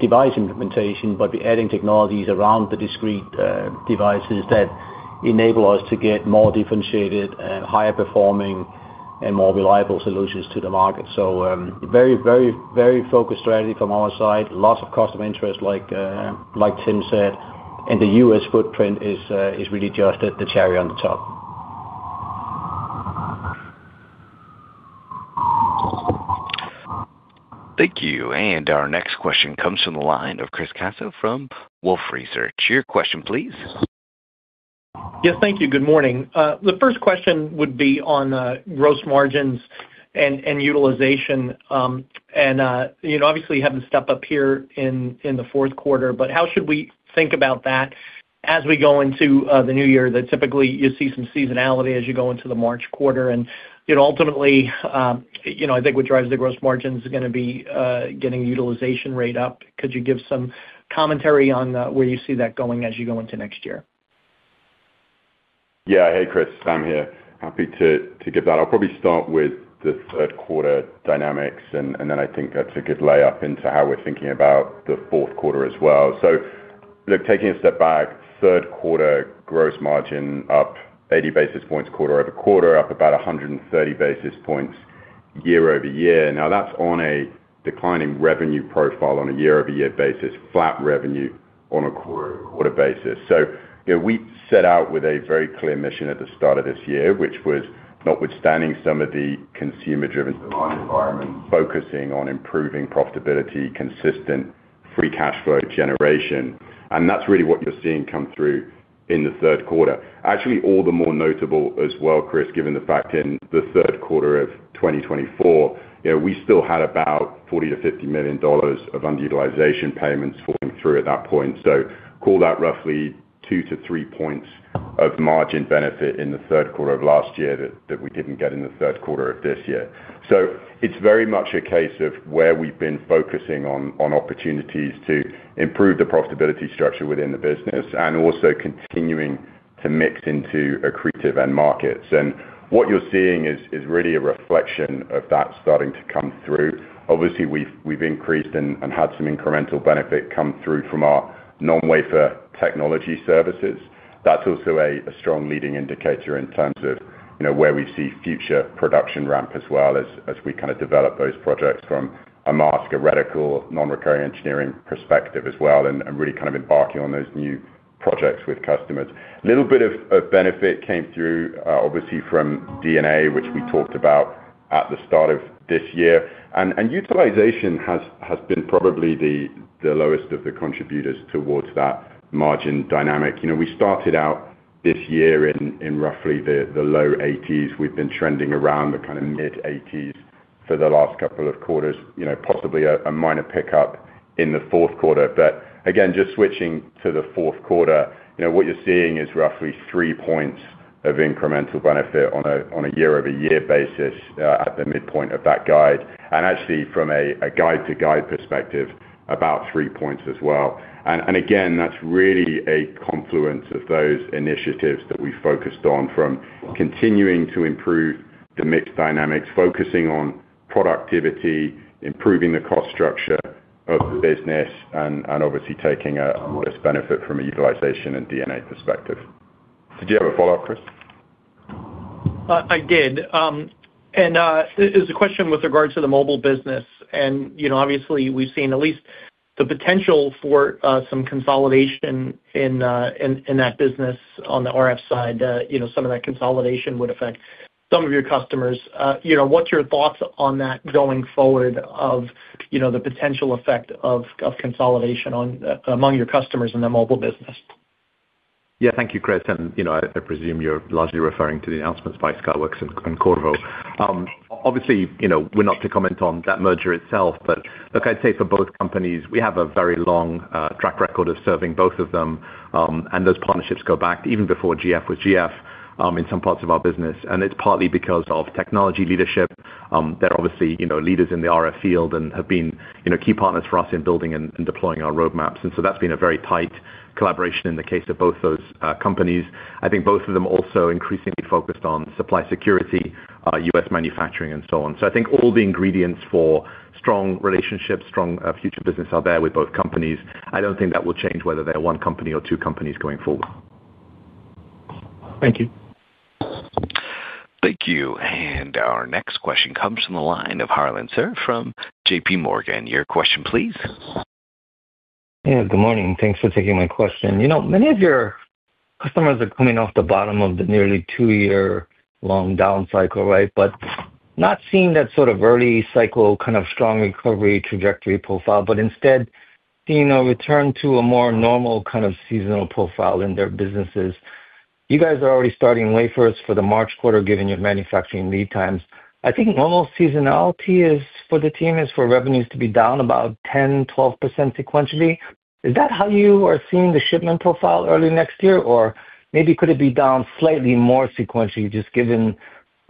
device implementation, but we're adding technologies around the discrete devices that enable us to get more differentiated, higher performing, and more reliable solutions to the market. Very, very, very focused strategy from our side. Lots of cost of interest, like Tim said, and the U.S. footprint is really just the cherry on the top. Thank you. Our next question comes from the line of Chris Caso from Wolfe Research. Your question, please. Yes, thank you. Good morning. The first question would be on gross margins and utilization. You know, obviously we have to step up here in the fourth quarter, but how should we think about that as we go into the new year? That typically you see some seasonality as you go into the March quarter. And, you know, ultimately, you know, I think what drives the gross margins is going to be getting the utilization rate up. Could you give some commentary on where you see that going as you go into next year? Yeah, hey Chris, I'm here. Happy to give that. I'll probably start with the third quarter dynamics, and then I think that's a good layup into how we're thinking about the fourth quarter as well. So, look, taking a step back, third quarter gross margin up 80 basis points quarter over quarter, up about 130 basis points year-over-year. Now that's on a declining revenue profile on a year-over-year basis, flat revenue on a quarter-to-quarter basis. You know, we set out with a very clear mission at the start of this year, which was notwithstanding some of the consumer-driven demand environment, focusing on improving profitability, consistent free cash flow generation. That is really what you are seeing come through in the third quarter. Actually, all the more notable as well, Chris, given the fact in the third quarter of 2024, you know, we still had about $40 million-$50 million of underutilization payments falling through at that point. Call that roughly two to three points of margin benefit in the third quarter of last year that we did not get in the third quarter of this year. It is very much a case of where we have been focusing on opportunities to improve the profitability structure within the business and also continuing to mix into accretive end markets. What you're seeing is really a reflection of that starting to come through. Obviously, we've increased and had some incremental benefit come through from our non-wafer technology services. That's also a strong leading indicator in terms of, you know, where we see future production ramp as well as we kind of develop those projects from a mask, a reticle non-recurring engineering perspective as well, and really kind of embarking on those new projects with customers. A little bit of benefit came through, obviously, from DNA, which we talked about at the start of this year. Utilization has been probably the lowest of the contributors towards that margin dynamic. You know, we started out this year in roughly the low 80s. We've been trending around the kind of mid 80s for the last couple of quarters, you know, possibly a minor pickup in the fourth quarter. Again, just switching to the fourth quarter, you know, what you're seeing is roughly three points of incremental benefit on a year-over-year basis at the midpoint of that guide. Actually, from a guide-to-guide perspective, about three points as well. Again, that's really a confluence of those initiatives that we focused on from continuing to improve the mixed dynamics, focusing on productivity, improving the cost structure of the business, and obviously taking a modest benefit from a utilization and DNA perspective. Did you have a follow-up, Chris? I did. There's a question with regards to the mobile business. You know, obviously we've seen at least the potential for some consolidation in that business on the RF side. Some of that consolidation would affect some of your customers. You know, what's your thoughts on that going forward of, you know, the potential effect of consolidation among your customers in the mobile business? Yeah, thank you, Chris. And, you know, I presume you're largely referring to the announcements by Skyworks and Qorvo. Obviously, you know, we're not to comment on that merger itself, but look, I'd say for both companies, we have a very long track record of serving both of them. And those partnerships go back even before GF was GF in some parts of our business. And it's partly because of technology leadership. They're obviously, you know, leaders in the RF field and have been, you know, key partners for us in building and deploying our roadmaps. And so that's been a very tight collaboration in the case of both those companies. I think both of them also increasingly focused on supply security, U.S. manufacturing, and so on. I think all the ingredients for strong relationships, strong future business are there with both companies. I do not think that will change whether they are one company or two companies going forward. Thank you. Thank you. Our next question comes from the line of Harlan Sur from JPMorgan. Your question, please. Yeah, good morning. Thanks for taking my question. You know, many of your customers are coming off the bottom of the nearly two-year-long down cycle, right? Not seeing that sort of early cycle kind of strong recovery trajectory profile, but instead seeing a return to a more normal kind of seasonal profile in their businesses. You guys are already starting wafers for the March quarter, given your manufacturing lead times. I think normal seasonality is for the team is for revenues to be down about 10%-12% sequentially. Is that how you are seeing the shipment profile early next year? Or maybe could it be down slightly more sequentially, just given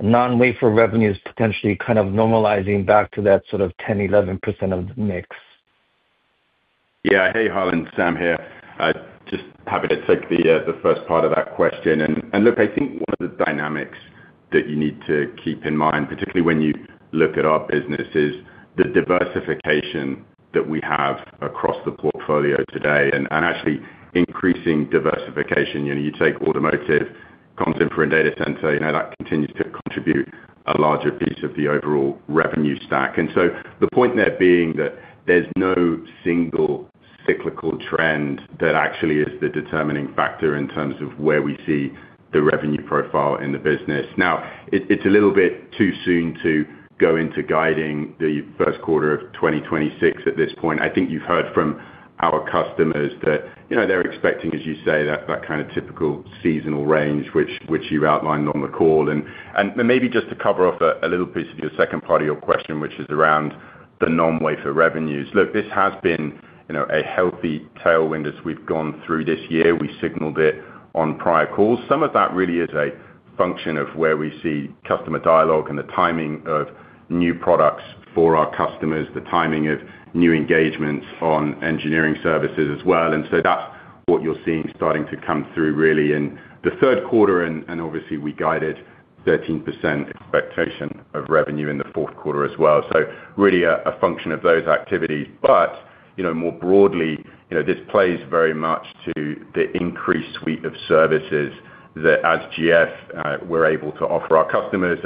non-wafer revenues potentially kind of normalizing back to that sort of 10%-11% of the mix? Yeah, hey, Harlan, Sam here. Just happy to take the first part of that question. And look, I think one of the dynamics that you need to keep in mind, particularly when you look at our business, is the diversification that we have across the portfolio today. And actually increasing diversification, you know, you take automotive, content for a data center, you know, that continues to contribute a larger piece of the overall revenue stack. The point there being that there's no single cyclical trend that actually is the determining factor in terms of where we see the revenue profile in the business. Now, it's a little bit too soon to go into guiding the first quarter of 2026 at this point. I think you've heard from our customers that, you know, they're expecting, as you say, that kind of typical seasonal range, which you outlined on the call. Maybe just to cover off a little piece of your second part of your question, which is around the non-wafer revenues. Look, this has been, you know, a healthy tailwind as we've gone through this year. We signaled it on prior calls. Some of that really is a function of where we see customer dialogue and the timing of new products for our customers, the timing of new engagements on engineering services as well. That is what you are seeing starting to come through really in the third quarter. Obviously, we guided 13% expectation of revenue in the fourth quarter as well. Really a function of those activities. You know, more broadly, you know, this plays very much to the increased suite of services that as GF, we are able to offer our customers.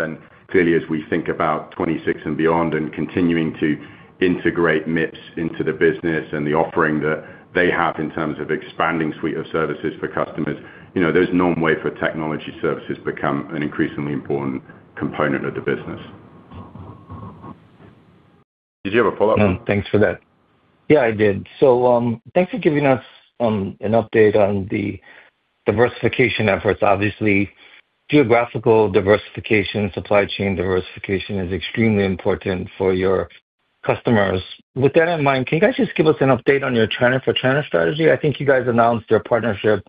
Clearly, as we think about 2026 and beyond and continuing to integrate MIPS into the business and the offering that they have in terms of expanding suite of services for customers, you know, those non-wafer technology services become an increasingly important component of the business. Did you have a follow-up? Thanks for that. Yeah, I did. Thanks for giving us an update on the diversification efforts. Obviously, geographical diversification, supply chain diversification is extremely important for your customers. With that in mind, can you guys just give us an update on your China for China strategy? I think you guys announced your partnership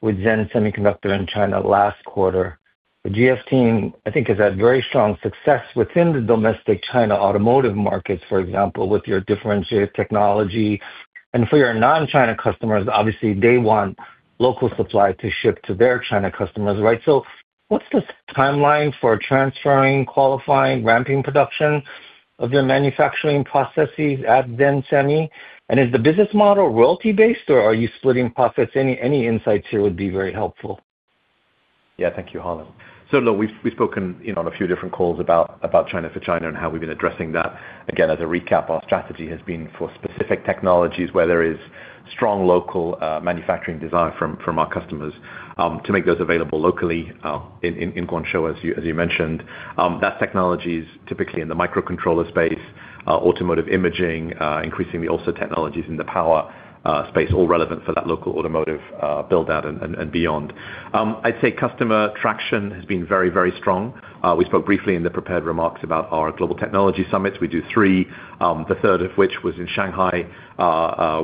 with Zen Semiconductor in China last quarter. The GF team, I think, has had very strong success within the domestic China automotive markets, for example, with your differentiated technology. For your non-China customers, obviously, they want local supply to ship to their China customers, right? What's the timeline for transferring, qualifying, ramping production of your manufacturing processes at Zen Semi? Is the business model royalty-based or are you splitting profits? Any insights here would be very helpful. Thank you, Harlan. Look, we've spoken on a few different calls about China for China and how we've been addressing that. Again, as a recap, our strategy has been for specific technologies where there is strong local manufacturing desire from our customers to make those available locally in Guangzhou, as you mentioned. That's technologies typically in the microcontroller space, automotive imaging, increasingly also technologies in the power space, all relevant for that local automotive buildout and beyond. I'd say customer traction has been very, very strong. We spoke briefly in the prepared remarks about our global technology summits. We do three, the third of which was in Shanghai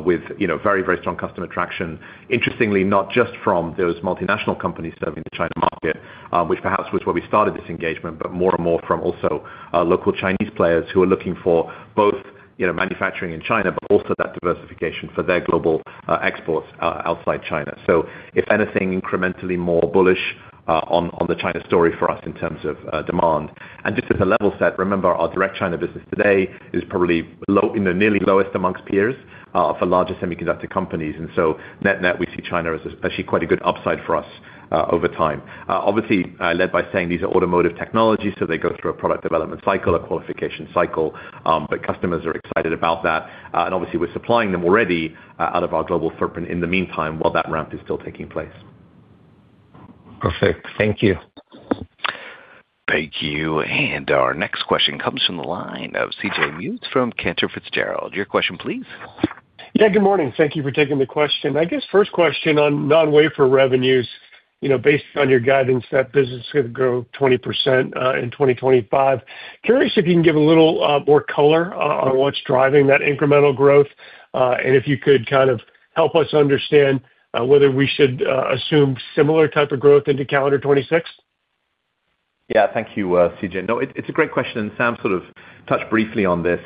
with, you know, very, very strong customer traction. Interestingly, not just from those multinational companies serving the China market, which perhaps was where we started this engagement, but more and more from also local Chinese players who are looking for both, you know, manufacturing in China, but also that diversification for their global exports outside China. If anything, incrementally more bullish on the China story for us in terms of demand. Just as a level set, remember our direct China business today is probably low, you know, nearly lowest amongst peers for larger semiconductor companies. Net-net, we see China as actually quite a good upside for us over time. Obviously, I led by saying these are automotive technologies, so they go through a product development cycle, a qualification cycle, but customers are excited about that. Obviously, we're supplying them already out of our global footprint in the meantime while that ramp is still taking place. Perfect. Thank you. Thank you. Our next question comes from the line of CJ Muse from Cantor Fitzgerald. Your question, please. Yeah, good morning. Thank you for taking the question. I guess first question on non-wafer revenues, you know, based on your guidance that business could grow 20% in 2025. Curious if you can give a little more color on what's driving that incremental growth and if you could kind of help us understand whether we should assume similar type of growth into calendar 2026. Yeah, thank you, CJ. No, it's a great question. Sam sort of touched briefly on this.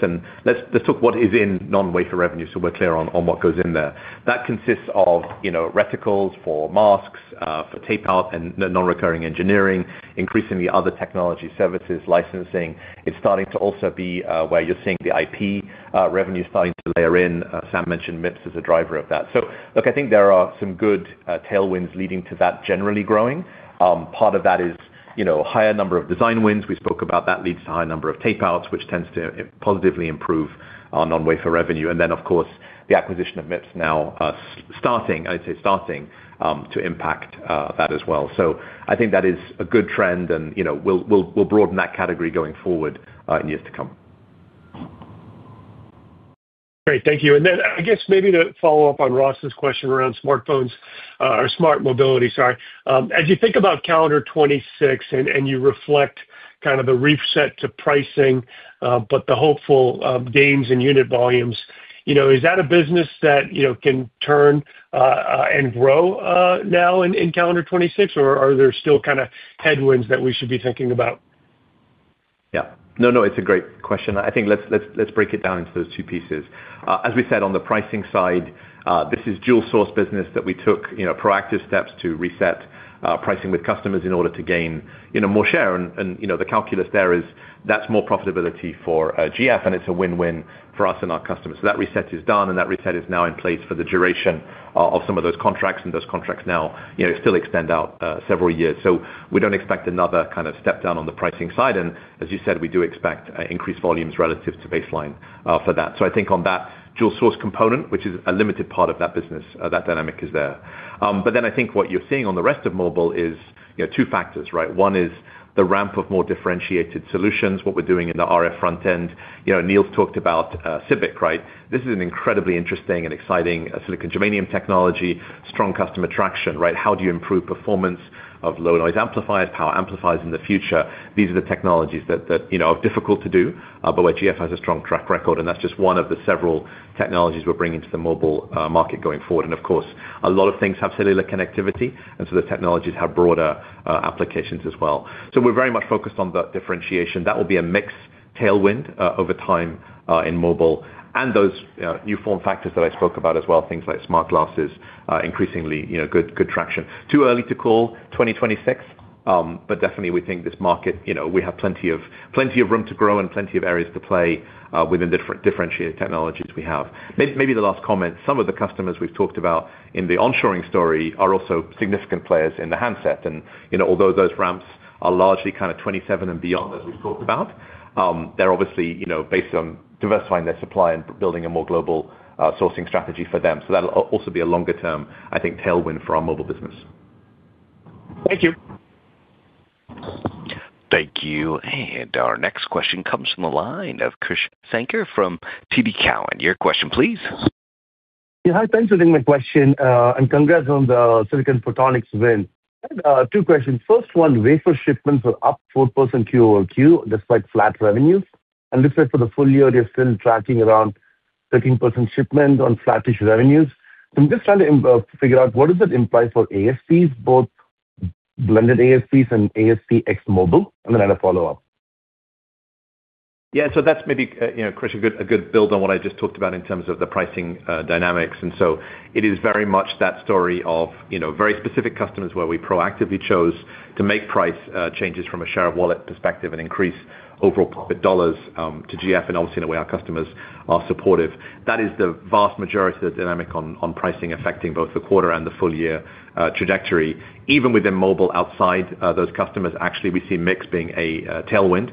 Let's talk what is in non-wafer revenue so we're clear on what goes in there. That consists of, you know, reticles for masks, for tape out and non-recurring engineering, increasingly other technology services, licensing. It's starting to also be where you're seeing the IP revenue starting to layer in. Sam mentioned MIPS as a driver of that. Look, I think there are some good tailwinds leading to that generally growing. Part of that is, you know, a higher number of design wins. We spoke about that leads to a higher number of tape outs, which tends to positively improve our non-wafer revenue. Of course, the acquisition of MIPS now starting, I'd say starting to impact that as well. I think that is a good trend and, you know, we'll broaden that category going forward in years to come. Great, thank you. I guess maybe to follow up on Ross's question around smartphones or smart mobility, sorry. As you think about calendar 2026 and you reflect kind of the reset to pricing, but the hopeful gains in unit volumes, you know, is that a business that, you know, can turn and grow now in calendar 2026 or are there still kind of headwinds that we should be thinking about? Yeah, no, no, it's a great question. I think let's break it down into those two pieces. As we said on the pricing side, this is dual-source business that we took, you know, proactive steps to reset pricing with customers in order to gain, you know, more share. You know, the calculus there is that's more profitability for GF and it's a win-win for us and our customers. That reset is done and that reset is now in place for the duration of some of those contracts and those contracts now, you know, still extend out several years. We do not expect another kind of step down on the pricing side. As you said, we do expect increased volumes relative to baseline for that. I think on that dual-source component, which is a limited part of that business, that dynamic is there. I think what you are seeing on the rest of mobile is, you know, two factors, right? One is the ramp of more differentiated solutions, what we are doing in the RF front end. You know, Niels talked about CBIC, right? This is an incredibly interesting and exciting silicon germanium technology, strong customer traction, right? How do you improve performance of low noise amplifiers, power amplifiers in the future? These are the technologies that, you know, are difficult to do, but where GF has a strong track record. That is just one of the several technologies we are bringing to the mobile market going forward. Of course, a lot of things have cellular connectivity, and so the technologies have broader applications as well. We are very much focused on that differentiation. That will be a mixed tailwind over time in mobile. Those new form factors that I spoke about as well, things like smart glasses, increasingly, you know, good traction. Too early to call 2026, but definitely we think this market, you know, we have plenty of room to grow and plenty of areas to play within the differentiated technologies we have. Maybe the last comment, some of the customers we have talked about in the onshoring story are also significant players in the handset. You know, although those ramps are largely kind of 2027 and beyond, as we've talked about, they're obviously, you know, based on diversifying their supply and building a more global sourcing strategy for them. That'll also be a longer-term, I think, tailwind for our mobile business. Thank you. Thank you. Our next question comes from the line of Krish Sankar from TD Cowen. Your question, please. Yeah, hi, thanks for taking the question and congrats on the Silicon Photonics win. Two questions. First one, wafer shipments are up 4% Q on Q despite flat revenues. Looks like for the full year, you're still tracking around 13% shipment on flattish revenues. I'm just trying to figure out what does that imply for ASPs, both blended ASPs and ASP X Mobile, and then I had a follow-up. Yeah, so that's maybe, you know, Krish, a good build on what I just talked about in terms of the pricing dynamics. It is very much that story of, you know, very specific customers where we proactively chose to make price changes from a share of wallet perspective and increase overall profit dollars to GF. Obviously, in a way, our customers are supportive. That is the vast majority of the dynamic on pricing affecting both the quarter and the full year trajectory. Even within mobile outside those customers, actually, we see MIPS being a tailwind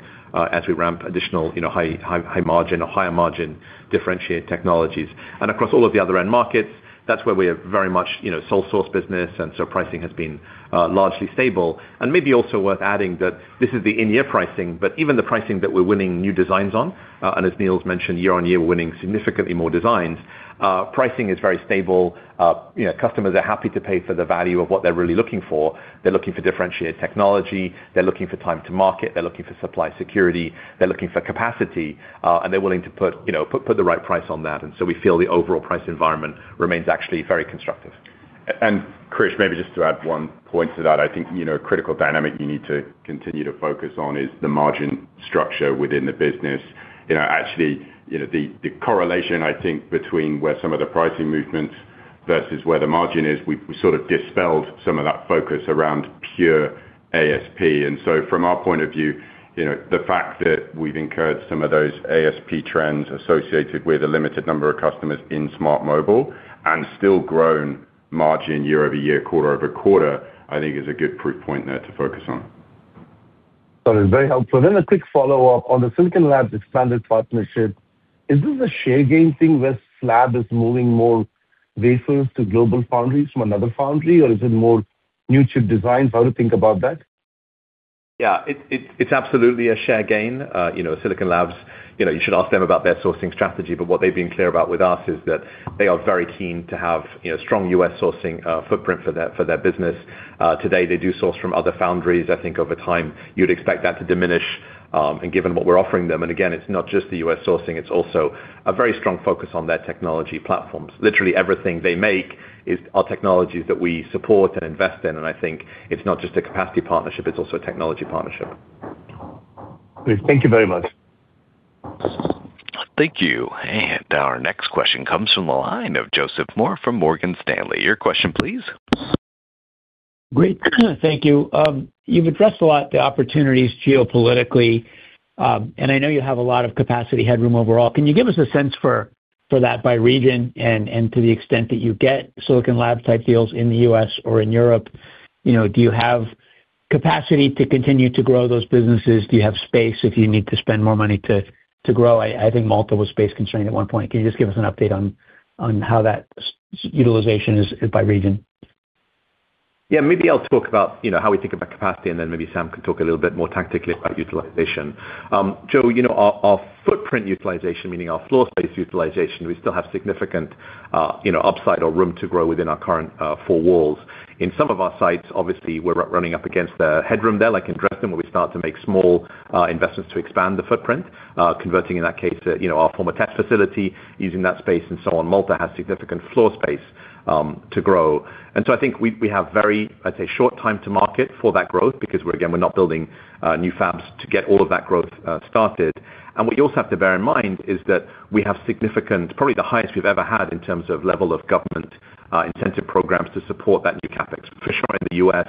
as we ramp additional, you know, high margin or higher margin differentiated technologies. Across all of the other end markets, that's where we are very much, you know, sole source business. Pricing has been largely stable. Maybe also worth adding that this is the in-year pricing, but even the pricing that we're winning new designs on. As Niels mentioned, year on year, we're winning significantly more designs. Pricing is very stable. You know, customers are happy to pay for the value of what they're really looking for. They're looking for differentiated technology. They're looking for time to market. They're looking for supply security. They're looking for capacity. And they're willing to put, you know, put the right price on that. We feel the overall price environment remains actually very constructive. Krish, maybe just to add one point to that, I think, you know, a critical dynamic you need to continue to focus on is the margin structure within the business. You know, actually, you know, the correlation, I think, between where some of the pricing movements versus where the margin is, we've sort of dispelled some of that focus around pure ASP. And so from our point of view, you know, the fact that we've incurred some of those ASP trends associated with a limited number of customers in smart mobile and still grown margin year-over-year, quarter over quarter, I think is a good proof point there to focus on. That is very helpful. Then a quick follow-up on the Silicon Labs expanded partnership. Is this a share gain thing where SLAB is moving more wafers to GlobalFoundries from another foundry, or is it more new chip designs? How do you think about that? Yeah, it's absolutely a share gain. You know, Silicon Labs, you know, you should ask them about their sourcing strategy, but what they've been clear about with us is that they are very keen to have, you know, strong U.S. sourcing footprint for their business. Today, they do source from other foundries. I think over time, you'd expect that to diminish and given what we're offering them. It is not just the U.S. sourcing. It is also a very strong focus on their technology platforms. Literally, everything they make is our technologies that we support and invest in. I think it is not just a capacity partnership. It is also a technology partnership. Thank you very much. Thank you. Our next question comes from the line of Joseph Moore from Morgan Stanley. Your question, please. Great. Thank you. You've addressed a lot of the opportunities geopolitically, and I know you have a lot of capacity headroom overall. Can you give us a sense for that by region and to the extent that you get Silicon Labs-type deals in the U.S. or in Europe? You know, do you have capacity to continue to grow those businesses? Do you have space if you need to spend more money to grow? I think Malta was space constrained at one point. Can you just give us an update on how that utilization is by region? Yeah, maybe I'll talk about, you know, how we think about capacity, and then maybe Sam could talk a little bit more tactically about utilization. Joe, you know, our footprint utilization, meaning our floor space utilization, we still have significant, you know, upside or room to grow within our current four walls. In some of our sites, obviously, we're running up against the headroom there like in Dresden, where we start to make small investments to expand the footprint, converting in that case to, you know, our former test facility, using that space and so on. Malta has significant floor space to grow. I think we have very, I'd say, short time to market for that growth because we're, again, we're not building new fabs to get all of that growth started. What you also have to bear in mind is that we have significant, probably the highest we've ever had in terms of level of government incentive programs to support that new CapEx, for sure, in the U.S.,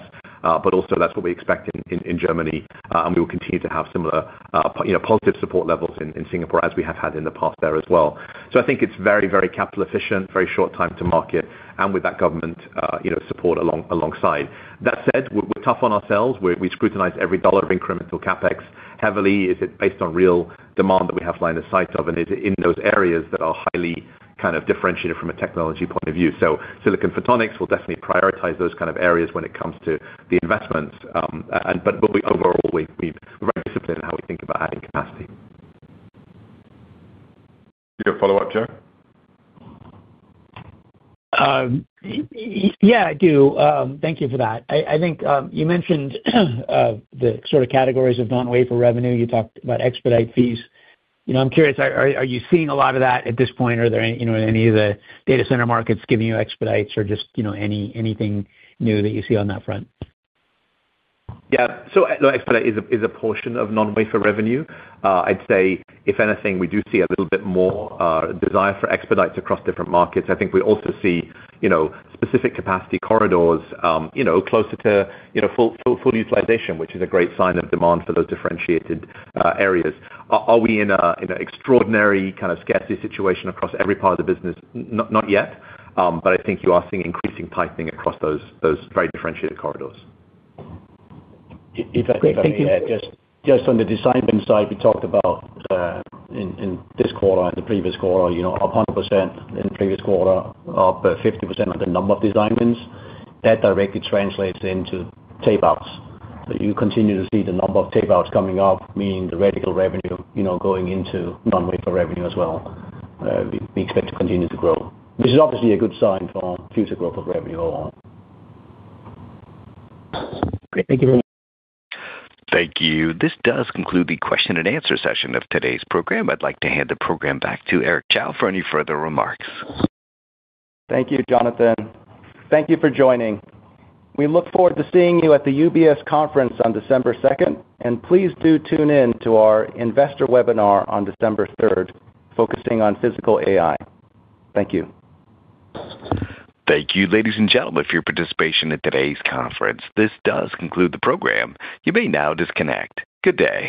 but also that's what we expect in Germany. We will continue to have similar, you know, positive support levels in Singapore as we have had in the past there as well. I think it is very, very capital efficient, very short time to market, and with that government, you know, support alongside. That said, we are tough on ourselves. We scrutinize every dollar of incremental CapEx heavily. Is it based on real demand that we have line of sight of, and is it in those areas that are highly kind of differentiated from a technology point of view? Silicon Photonics will definitely prioritize those kind of areas when it comes to the investments. Overall, we are very disciplined in how we think about adding capacity. Do you have a follow-up, Joe? Yeah, I do. Thank you for that. I think you mentioned the sort of categories of non-wafer revenue. You talked about expedite fees. You know, I'm curious, are you seeing a lot of that at this point? Are there any, you know, in any of the data center markets giving you expedites or just, you know, anything new that you see on that front? Yeah, so expedite is a portion of non-wafer revenue. I'd say if anything, we do see a little bit more desire for expedites across different markets. I think we also see, you know, specific capacity corridors, you know, closer to, you know, full utilization, which is a great sign of demand for those differentiated areas. Are we in an extraordinary kind of scarcity situation across every part of the business? Not yet, but I think you are seeing increasing tightening across those very differentiated corridors. If I can add, just on the design side we talked about in this quarter and the previous quarter, you know, up 100% in the previous quarter, up 50% of the number of designs. That directly translates into tape outs. You continue to see the number of tape outs coming up, meaning the radical revenue, you know, going into non-wafer revenue as well. We expect to continue to grow, which is obviously a good sign for future growth of revenue overall. Great, thank you. Thank you. This does conclude the question and answer session of today's program. I'd like to hand the program back to Eric Chow for any further remarks. Thank you, Jonathan. Thank you for joining. We look forward to seeing you at the UBS conference on December 2nd, and please do tune in to our investor webinar on December 3rd focusing on physical AI. Thank you. Thank you, ladies and gentlemen, for your participation in today's conference. This does conclude the program. You may now disconnect. Good day.